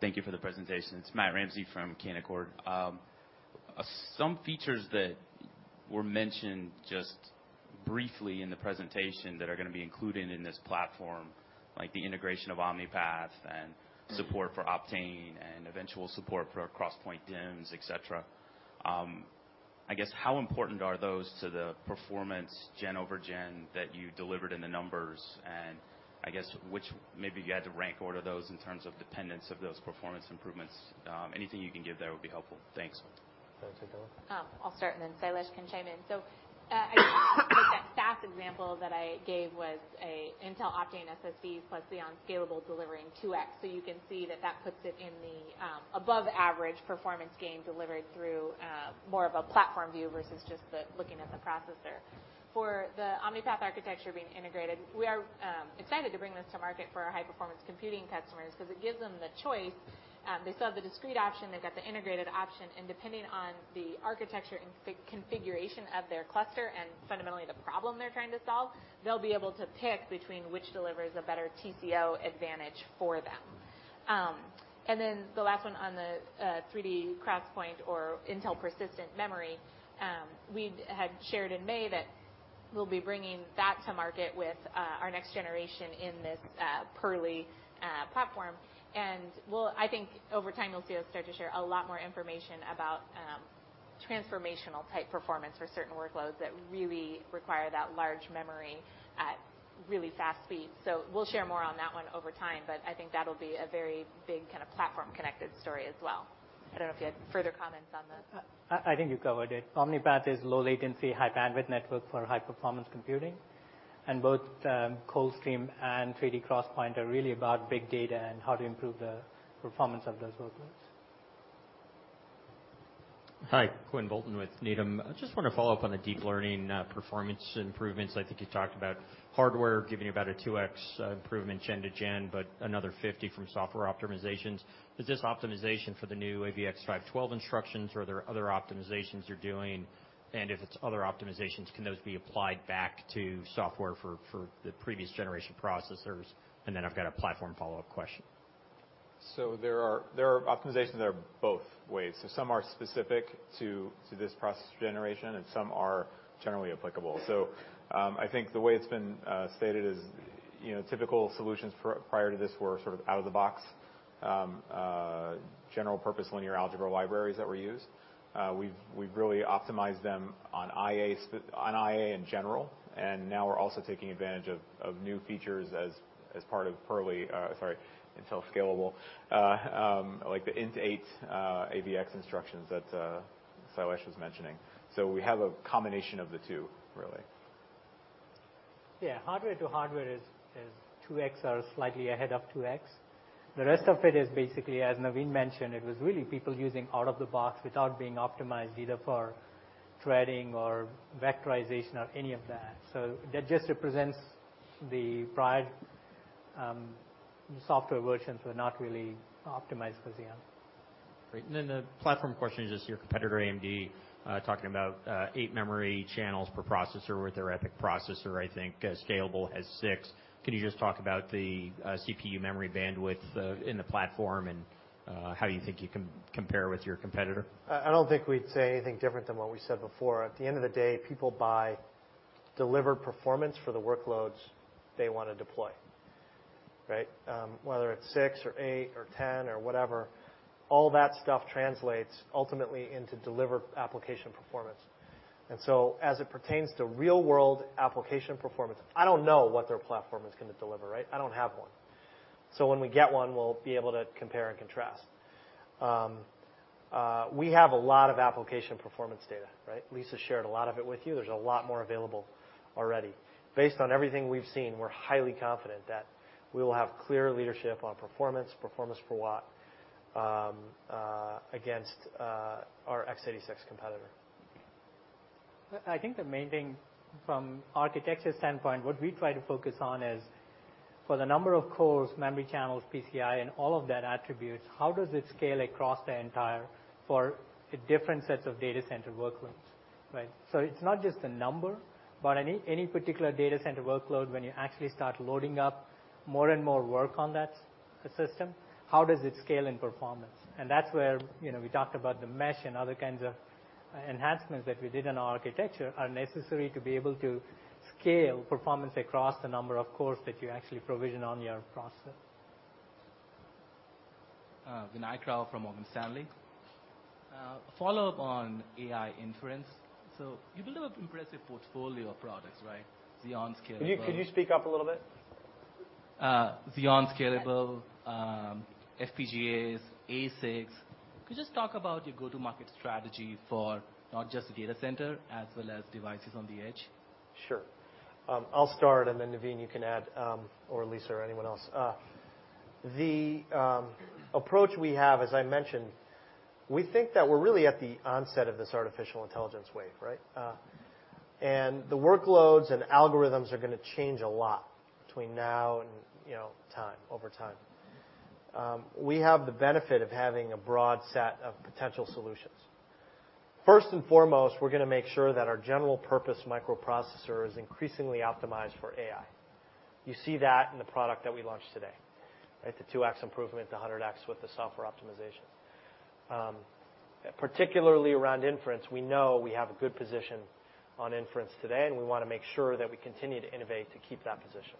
Thank you for the presentation. It's Matt Ramsay from Canaccord. Some features that were mentioned just briefly in the presentation that are going to be included in this platform, like the integration of Omni-Path and support for Optane and eventual support for our XPoint DIMMs, et cetera. I guess, how important are those to the performance gen over gen that you delivered in the numbers? I guess, maybe if you had to rank order those in terms of dependence of those performance improvements, anything you can give there would be helpful. Thanks. Want to take that one? I'll start, then Sailesh can chime in. I think that SAS example that I gave was an Intel Optane SSD plus Xeon Scalable delivering 2x. You can see that that puts it in the above-average performance gain delivered through more of a platform view versus just looking at the processor. For the Omni-Path architecture being integrated, we are excited to bring this to market for our high-performance computing customers because it gives them the choice. They still have the discrete option, they've got the integrated option, and depending on the architecture and configuration of their cluster and fundamentally the problem they're trying to solve, they'll be able to pick between which delivers a better TCO advantage for them. The last one on the 3D XPoint or Intel persistent memory, we had shared in May that we'll be bringing that to market with our next generation in this Purley platform. I think over time, you'll see us start to share a lot more information about transformational type performance for certain workloads that really require that large memory at really fast speeds. We'll share more on that one over time, but I think that'll be a very big kind of platform-connected story as well. I don't know if you had further comments on that. I think you covered it. Omni-Path is low latency, high bandwidth network for high-performance computing. Both ColdStream and 3D XPoint are really about big data and how to improve the performance of those workloads. Hi, Quinn Bolton with Needham. I just want to follow up on the deep learning performance improvements. I think you talked about hardware giving you about a 2x improvement gen to gen, but another 50% from software optimizations. Is this optimization for the new AVX-512 instructions, or are there other optimizations you're doing? If it's other optimizations, can those be applied back to software for the previous generation processors? Then I've got a platform follow-up question. There are optimizations that are both ways. Some are specific to this processor generation, and some are generally applicable. I think the way it's been stated is typical solutions prior to this were sort of out of the box, general purpose linear algebra libraries that were used. We've really optimized them on IA in general, now we're also taking advantage of new features as part of Intel Xeon Scalable, like the INT8 AVX instructions that Sailesh was mentioning. We have a combination of the two, really. Yeah. Hardware to hardware is 2x or slightly ahead of 2x. The rest of it is basically, as Navin mentioned, it was really people using out of the box without being optimized either for threading or vectorization or any of that. That just represents the prior software versions were not really optimized for Xeon. Great. The platform question is just your competitor, AMD, talking about eight memory channels per processor with their EPYC processor, I think. Scalable has six. Can you just talk about the CPU memory bandwidth in the platform and how you think you compare with your competitor? I don't think we'd say anything different than what we said before. At the end of the day, people buy delivered performance for the workloads they want to deploy, right? Whether it's six or eight or 10 or whatever, all that stuff translates ultimately into delivered application performance. As it pertains to real-world application performance, I don't know what their platform is going to deliver, right? I don't have one. When we get one, we'll be able to compare and contrast. We have a lot of application performance data. Lisa shared a lot of it with you. There's a lot more available already. Based on everything we've seen, we're highly confident that we will have clear leadership on performance per watt, against our x86 competitor. I think the main thing from architecture standpoint, what we try to focus on is for the number of cores, memory channels, PCIe, and all of that attributes, how does it scale across the entire for the different sets of data center workloads. It's not just the number, but any particular data center workload, when you actually start loading up more and more work on that system, how does it scale in performance? That's where we talked about the Mesh and other kinds of enhancements that we did in our architecture are necessary to be able to scale performance across the number of cores that you actually provision on your processor. Vijay Rakesh from Morgan Stanley. Follow-up on AI inference. You build up impressive portfolio of products, right? Xeon Scalable. Could you speak up a little bit? Xeon Scalable, FPGAs, ASICs. Could you just talk about your go-to-market strategy for not just the data center, as well as devices on the edge? Sure. I'll start and then Navin, you can add, or Lisa or anyone else. The approach we have, as I mentioned, we think that we're really at the onset of this artificial intelligence wave. The workloads and algorithms are going to change a lot between now and over time. We have the benefit of having a broad set of potential solutions. First and foremost, we're going to make sure that our general purpose microprocessor is increasingly optimized for AI. You see that in the product that we launched today. The 2x improvement, the 100x with the software optimization. Particularly around inference, we know we have a good position on inference today, and we want to make sure that we continue to innovate to keep that position.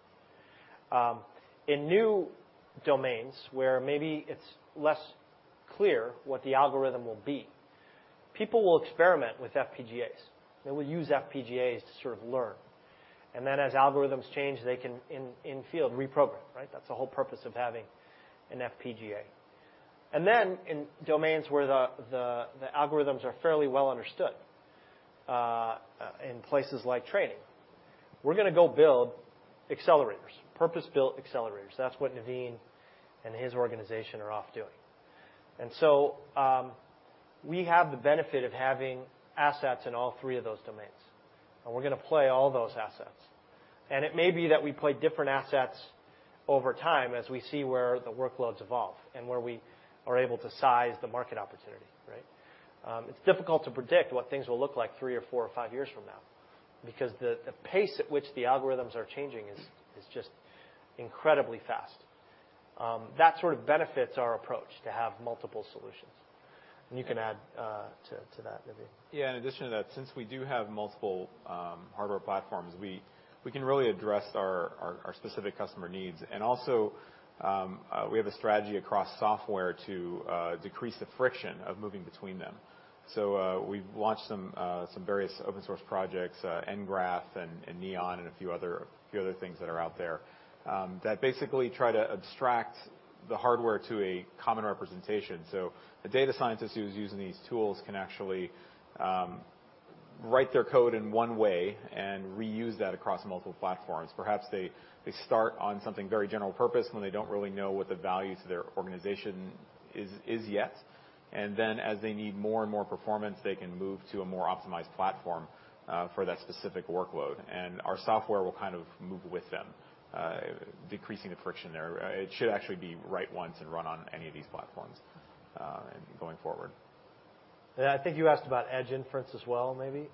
In new domains where maybe it's less clear what the algorithm will be, people will experiment with FPGAs. They will use FPGAs to sort of learn. Then as algorithms change, they can in field reprogram. That's the whole purpose of having an FPGA. Then in domains where the algorithms are fairly well understood, in places like training, we're going to go build accelerators, purpose-built accelerators. That's what Navin and his organization are off doing. So, we have the benefit of having assets in all three of those domains, and we're going to play all those assets. It may be that we play different assets over time as we see where the workloads evolve and where we are able to size the market opportunity. It's difficult to predict what things will look like three or four or five years from now because the pace at which the algorithms are changing is just incredibly fast. That sort of benefits our approach to have multiple solutions. You can add to that, Navin. Yeah. In addition to that, since we do have multiple hardware platforms, we can really address our specific customer needs. Also, we have a strategy across software to decrease the friction of moving between them. We've launched some various open source projects, nGraph and Neon and a few other things that are out there, that basically try to abstract the hardware to a common representation. A data scientist who's using these tools can actually write their code in one way and reuse that across multiple platforms. Perhaps they start on something very general purpose when they don't really know what the value to their organization is yet. Then as they need more and more performance, they can move to a more optimized platform, for that specific workload. Our software will kind of move with them, decreasing the friction there. It should actually be write once and run on any of these platforms, going forward. I think you asked about edge inference as well, maybe.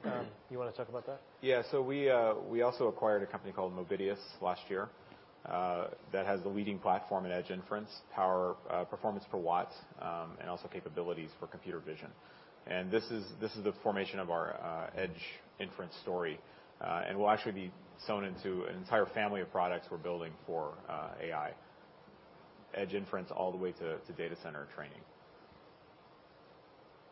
You want to talk about that? Yeah. We also acquired a company called Movidius last year, that has the leading platform in edge inference, power performance per watt, and also capabilities for computer vision. This is the formation of our edge inference story. Will actually be sewn into an entire family of products we're building for AI. Edge inference all the way to data center training.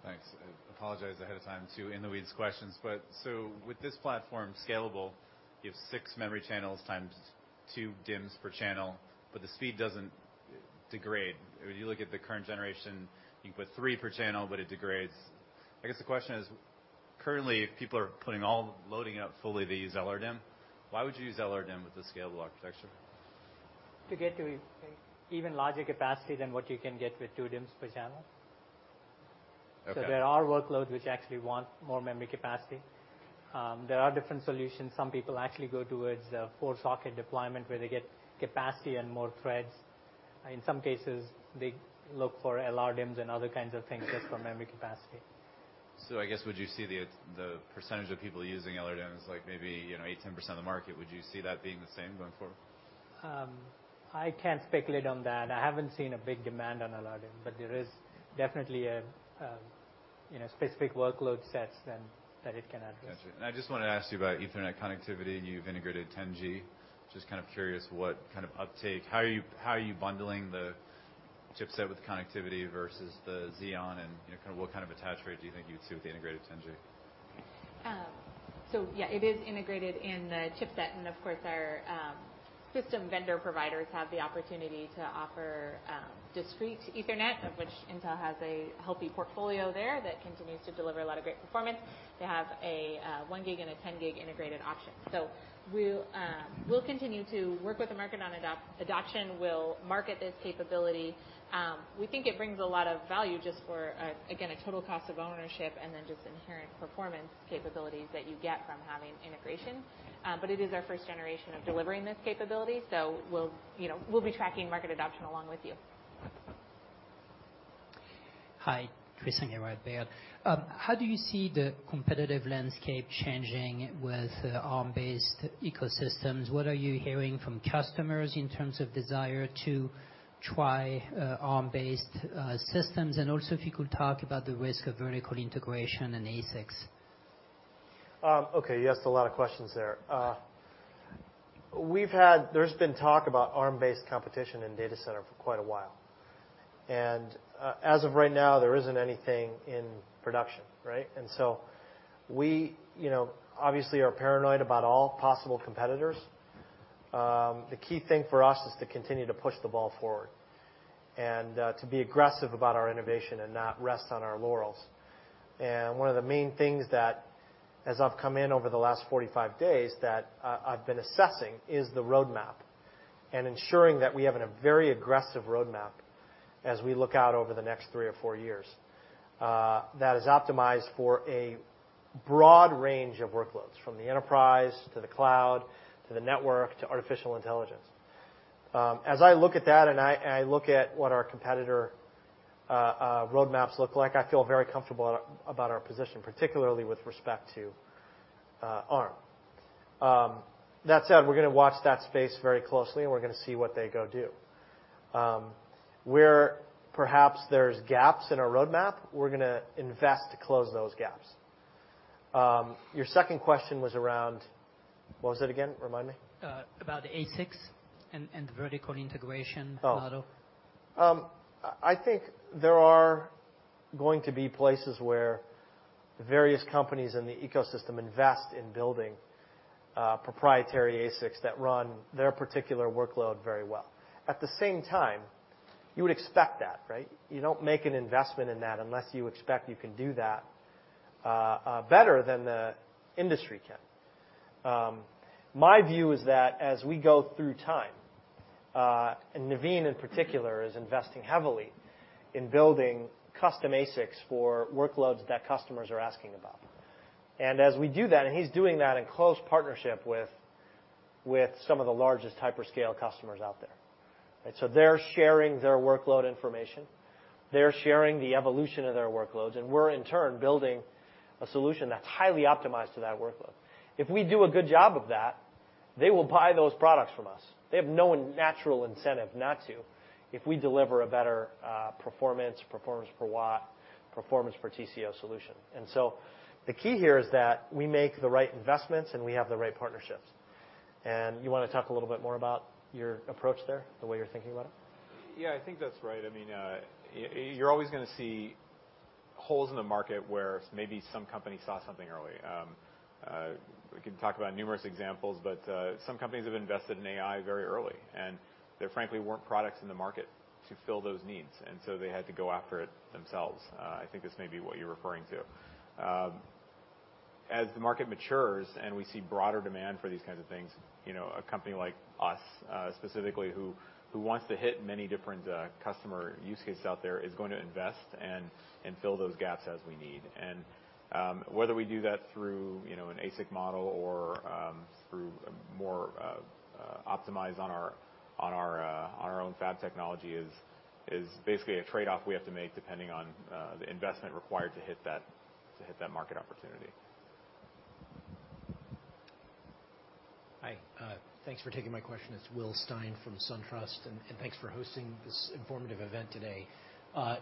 Thanks. I apologize ahead of time, too, in the weeds questions, with this platform scalable, you have six memory channels times two DIMMs per channel, the speed doesn't degrade. If you look at the current generation, you can put three per channel, it degrades. I guess the question is, currently, if people are putting all loading up fully, they use LRDIMM. Why would you use LRDIMM with the scalable architecture? To get to even larger capacity than what you can get with two DIMMs per channel. Okay. There are workloads which actually want more memory capacity. There are different solutions. Some people actually go towards 4-socket deployment where they get capacity and more threads. In some cases, they look for LRDIMMs and other kinds of things just for memory capacity. I guess, would you see the percentage of people using LRDIMMs, like maybe, 8%-10% of the market? Would you see that being the same going forward? I can't speculate on that. I haven't seen a big demand on LRDIMM, but there is definitely a specific workload sets then that it can address. Got you. I just want to ask you about Ethernet connectivity, and you've integrated 10G. Just kind of curious what kind of uptake. How are you bundling the chipset with the connectivity versus the Xeon, and what kind of attach rate do you think you would see with the integrated 10G? Yeah, it is integrated in the chipset and of course our system vendor providers have the opportunity to offer discrete Ethernet, of which Intel has a healthy portfolio there that continues to deliver a lot of great performance. They have a one gig and a 10 gig integrated option. We'll continue to work with the market on adoption. We'll market this capability. We think it brings a lot of value just for, again, a total cost of ownership and then just inherent performance capabilities that you get from having integration. It is our first generation of delivering this capability, so we'll be tracking market adoption along with you. Hi, Tristan Gerra. How do you see the competitive landscape changing with Arm-based ecosystems? What are you hearing from customers in terms of desire to try Arm-based systems? Also if you could talk about the risk of vertical integration and ASICs. Okay. You asked a lot of questions there. There's been talk about Arm-based competition in data center for quite a while. As of right now, there isn't anything in production, right? We obviously are paranoid about all possible competitors. The key thing for us is to continue to push the ball forward and to be aggressive about our innovation and not rest on our laurels. One of the main things that, as I've come in over the last 45 days, that I've been assessing is the roadmap and ensuring that we have a very aggressive roadmap as we look out over the next three or four years, that is optimized for a broad range of workloads, from the enterprise to the cloud, to the network, to artificial intelligence. As I look at that and I look at what our competitor roadmaps look like, I feel very comfortable about our position, particularly with respect to Arm. That said, we're going to watch that space very closely and we're going to see what they go do. Where perhaps there's gaps in our roadmap, we're going to invest to close those gaps. Your second question was around, what was it again? Remind me. About ASICs and vertical integration model. I think there are going to be places where various companies in the ecosystem invest in building proprietary ASICs that run their particular workload very well. At the same time, you would expect that, right? You don't make an investment in that unless you expect you can do that better than the industry can. My view is that as we go through time, Navin in particular is investing heavily in building custom ASICs for workloads that customers are asking about. As we do that, he's doing that in close partnership with some of the largest hyperscale customers out there. They're sharing their workload information, they're sharing the evolution of their workloads, and we're in turn building a solution that's highly optimized to that workload. If we do a good job of that, they will buy those products from us. They have no natural incentive not to if we deliver a better performance per watt, performance per TCO solution. The key here is that we make the right investments and we have the right partnerships. You want to talk a little bit more about your approach there, the way you're thinking about it? Yeah, I think that's right. You're always going to see holes in the market where maybe some company saw something early. We can talk about numerous examples, but some companies have invested in AI very early, and there frankly weren't products in the market to fill those needs, so they had to go after it themselves. I think this may be what you're referring to. As the market matures and we see broader demand for these kinds of things, a company like us, specifically who wants to hit many different customer use cases out there, is going to invest and fill those gaps as we need. Whether we do that through an ASIC model or through more optimized on our own fab technology is basically a trade-off we have to make depending on the investment required to hit that market opportunity. Hi. Thanks for taking my question. It's Will Stein from SunTrust, thanks for hosting this informative event today.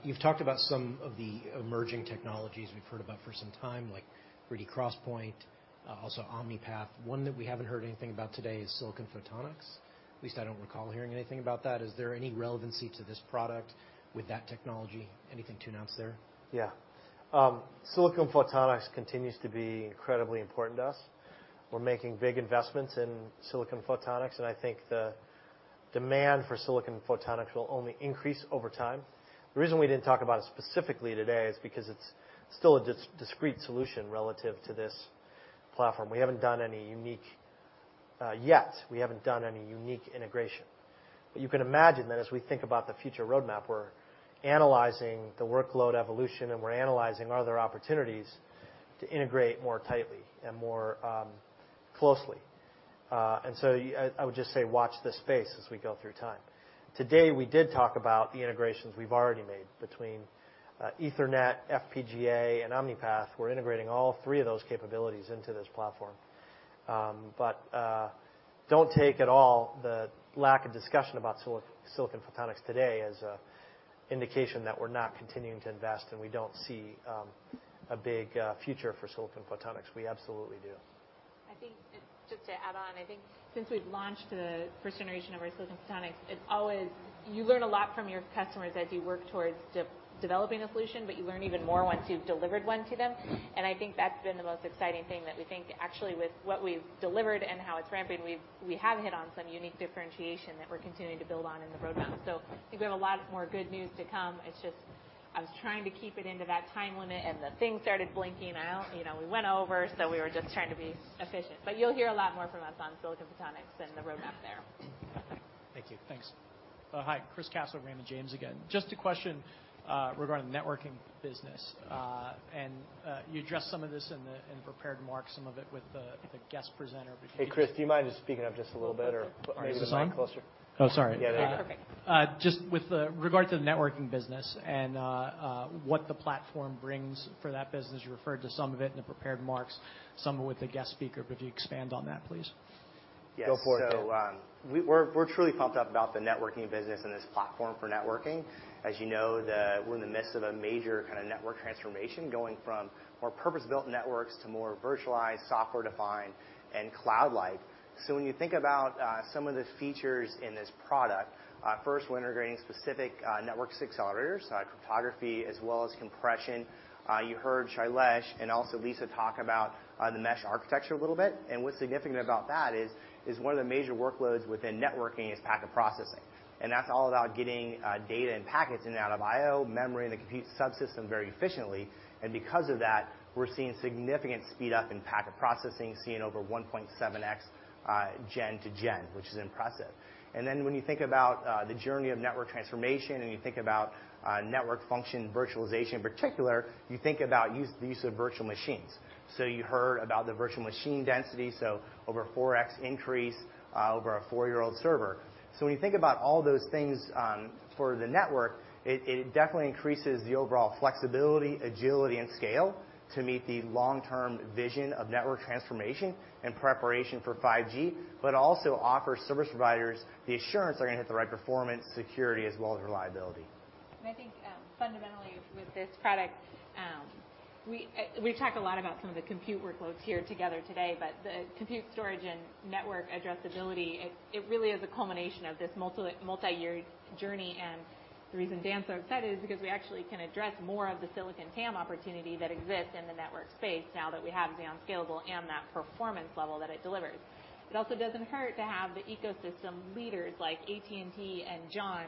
You've talked about some of the emerging technologies we've heard about for some time, like 3D XPoint, also Omni-Path. One that we haven't heard anything about today is silicon photonics. At least I don't recall hearing anything about that. Is there any relevancy to this product with that technology? Anything to announce there? Yeah. Silicon photonics continues to be incredibly important to us. We're making big investments in silicon photonics, I think the demand for silicon photonics will only increase over time. The reason we didn't talk about it specifically today is because it's still a discrete solution relative to this platform. Yet, we haven't done any unique integration. You can imagine that as we think about the future roadmap, we're analyzing the workload evolution and we're analyzing are there opportunities to integrate more tightly and more closely. So I would just say watch this space as we go through time. Today, we did talk about the integrations we've already made between Ethernet, FPGA, and Omni-Path. We're integrating all three of those capabilities into this platform. Don't take at all the lack of discussion about silicon photonics today as an indication that we're not continuing to invest and we don't see a big future for silicon photonics. We absolutely do. I think just to add on, I think since we've launched the first generation of our silicon photonics, you learn a lot from your customers as you work towards developing a solution, you learn even more once you've delivered one to them. I think that's been the most exciting thing that we think actually with what we've delivered and how it's ramping, we have hit on some unique differentiation that we're continuing to build on in the roadmap. I think we have a lot more good news to come. It's just, I was trying to keep it into that time limit, and the thing started blinking, and we went over, so we were just trying to be efficient. You'll hear a lot more from us on silicon photonics and the roadmap there. Thank you. Thanks. Oh, hi. Chris Caso, Raymond James again. Just a question, regarding the networking business. You addressed some of this in the prepared marks, some of it with the guest presenter. Hey, Chris, do you mind just speaking up just a little bit? Are you with me? move the mic closer? Oh, sorry. Yeah. You're perfect. Just with regard to the networking business and what the platform brings for that business. You referred to some of it in the prepared marks, some of it with the guest speaker, but if you expand on that, please. Go for it, Dan. Yes. We're truly pumped up about the networking business and this platform for networking. As you know, we're in the midst of a major network transformation, going from more purpose-built networks to more virtualized, software-defined, and cloud-like. When you think about some of the features in this product, first we're integrating specific network accelerators, cryptography as well as compression. You heard Sailesh and also Lisa talk about the Intel Mesh Architecture a little bit, and what's significant about that is one of the major workloads within networking is packet processing. That's all about getting data and packets in and out of I/O, memory, and the compute subsystem very efficiently. Because of that, we're seeing significant speed up in packet processing, seeing over 1.7x gen to gen, which is impressive. When you think about the journey of network transformation and you think about Network Functions Virtualization in particular, you think about the use of virtual machines. You heard about the virtual machine density, over 4x increase over a four-year-old server. When you think about all those things for the network, it definitely increases the overall flexibility, agility, and scale to meet the long-term vision of network transformation and preparation for 5G, also offers service providers the assurance they're going to hit the right performance, security, as well as reliability. I think fundamentally with this product, we talk a lot about some of the compute workloads here together today, the compute storage and network addressability, it really is a culmination of this multi-year journey, and the reason Dan's so excited is because we actually can address more of the silicon TAM opportunity that exists in the network space now that we have Intel Xeon Scalable and that performance level that it delivers. It also doesn't hurt to have the ecosystem leaders like AT&T and John,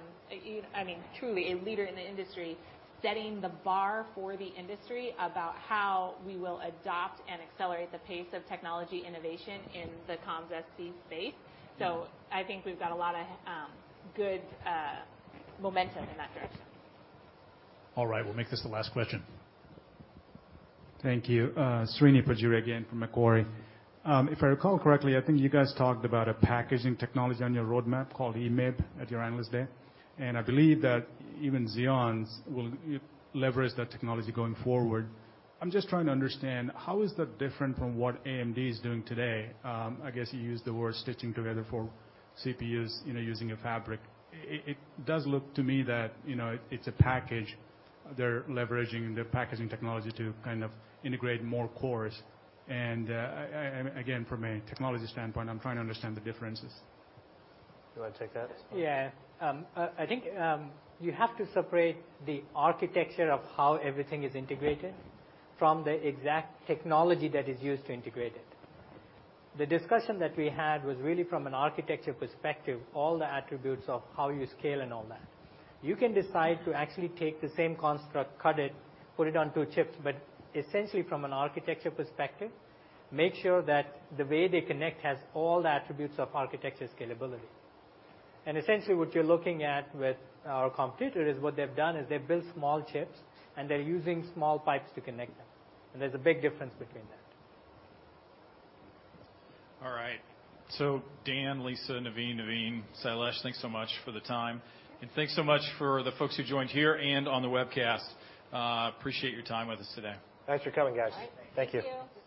truly a leader in the industry, setting the bar for the industry about how we will adopt and accelerate the pace of technology innovation in the comms SP space. I think we've got a lot of good momentum in that direction. All right. We'll make this the last question. Thank you. Srini Pajjuri again from Macquarie. If I recall correctly, I think you guys talked about a packaging technology on your roadmap called EMIB at your analyst day, I believe that even Xeon will leverage that technology going forward. I'm just trying to understand, how is that different from what AMD is doing today? I guess you used the word stitching together for CPUs using a fabric. It does look to me that it's a package. They're leveraging their packaging technology to kind of integrate more cores. Essentially what you're looking at with our competitor is what they've done is they've built small chips and they're using small pipes to connect them. From a technology standpoint, I'm trying to understand the differences. Do you want to take that? Yeah. I think you have to separate the architecture of how everything is integrated from the exact technology that is used to integrate it. The discussion that we had was really from an architecture perspective, all the attributes of how you scale and all that. You can decide to actually take the same construct, cut it, put it on two chips, but essentially from an architecture perspective, make sure that the way they connect has all the attributes of architecture scalability. What you're looking at with our competitor is what they've done is they've built small chips and they're using small pipes to connect them. There's a big difference between that. All right. Dan, Lisa, Navin, Sailesh, thanks so much for the time. Thanks so much for the folks who joined here and on the webcast. Appreciate your time with us today. Thanks for coming, guys. All right. Thank you. Thank you.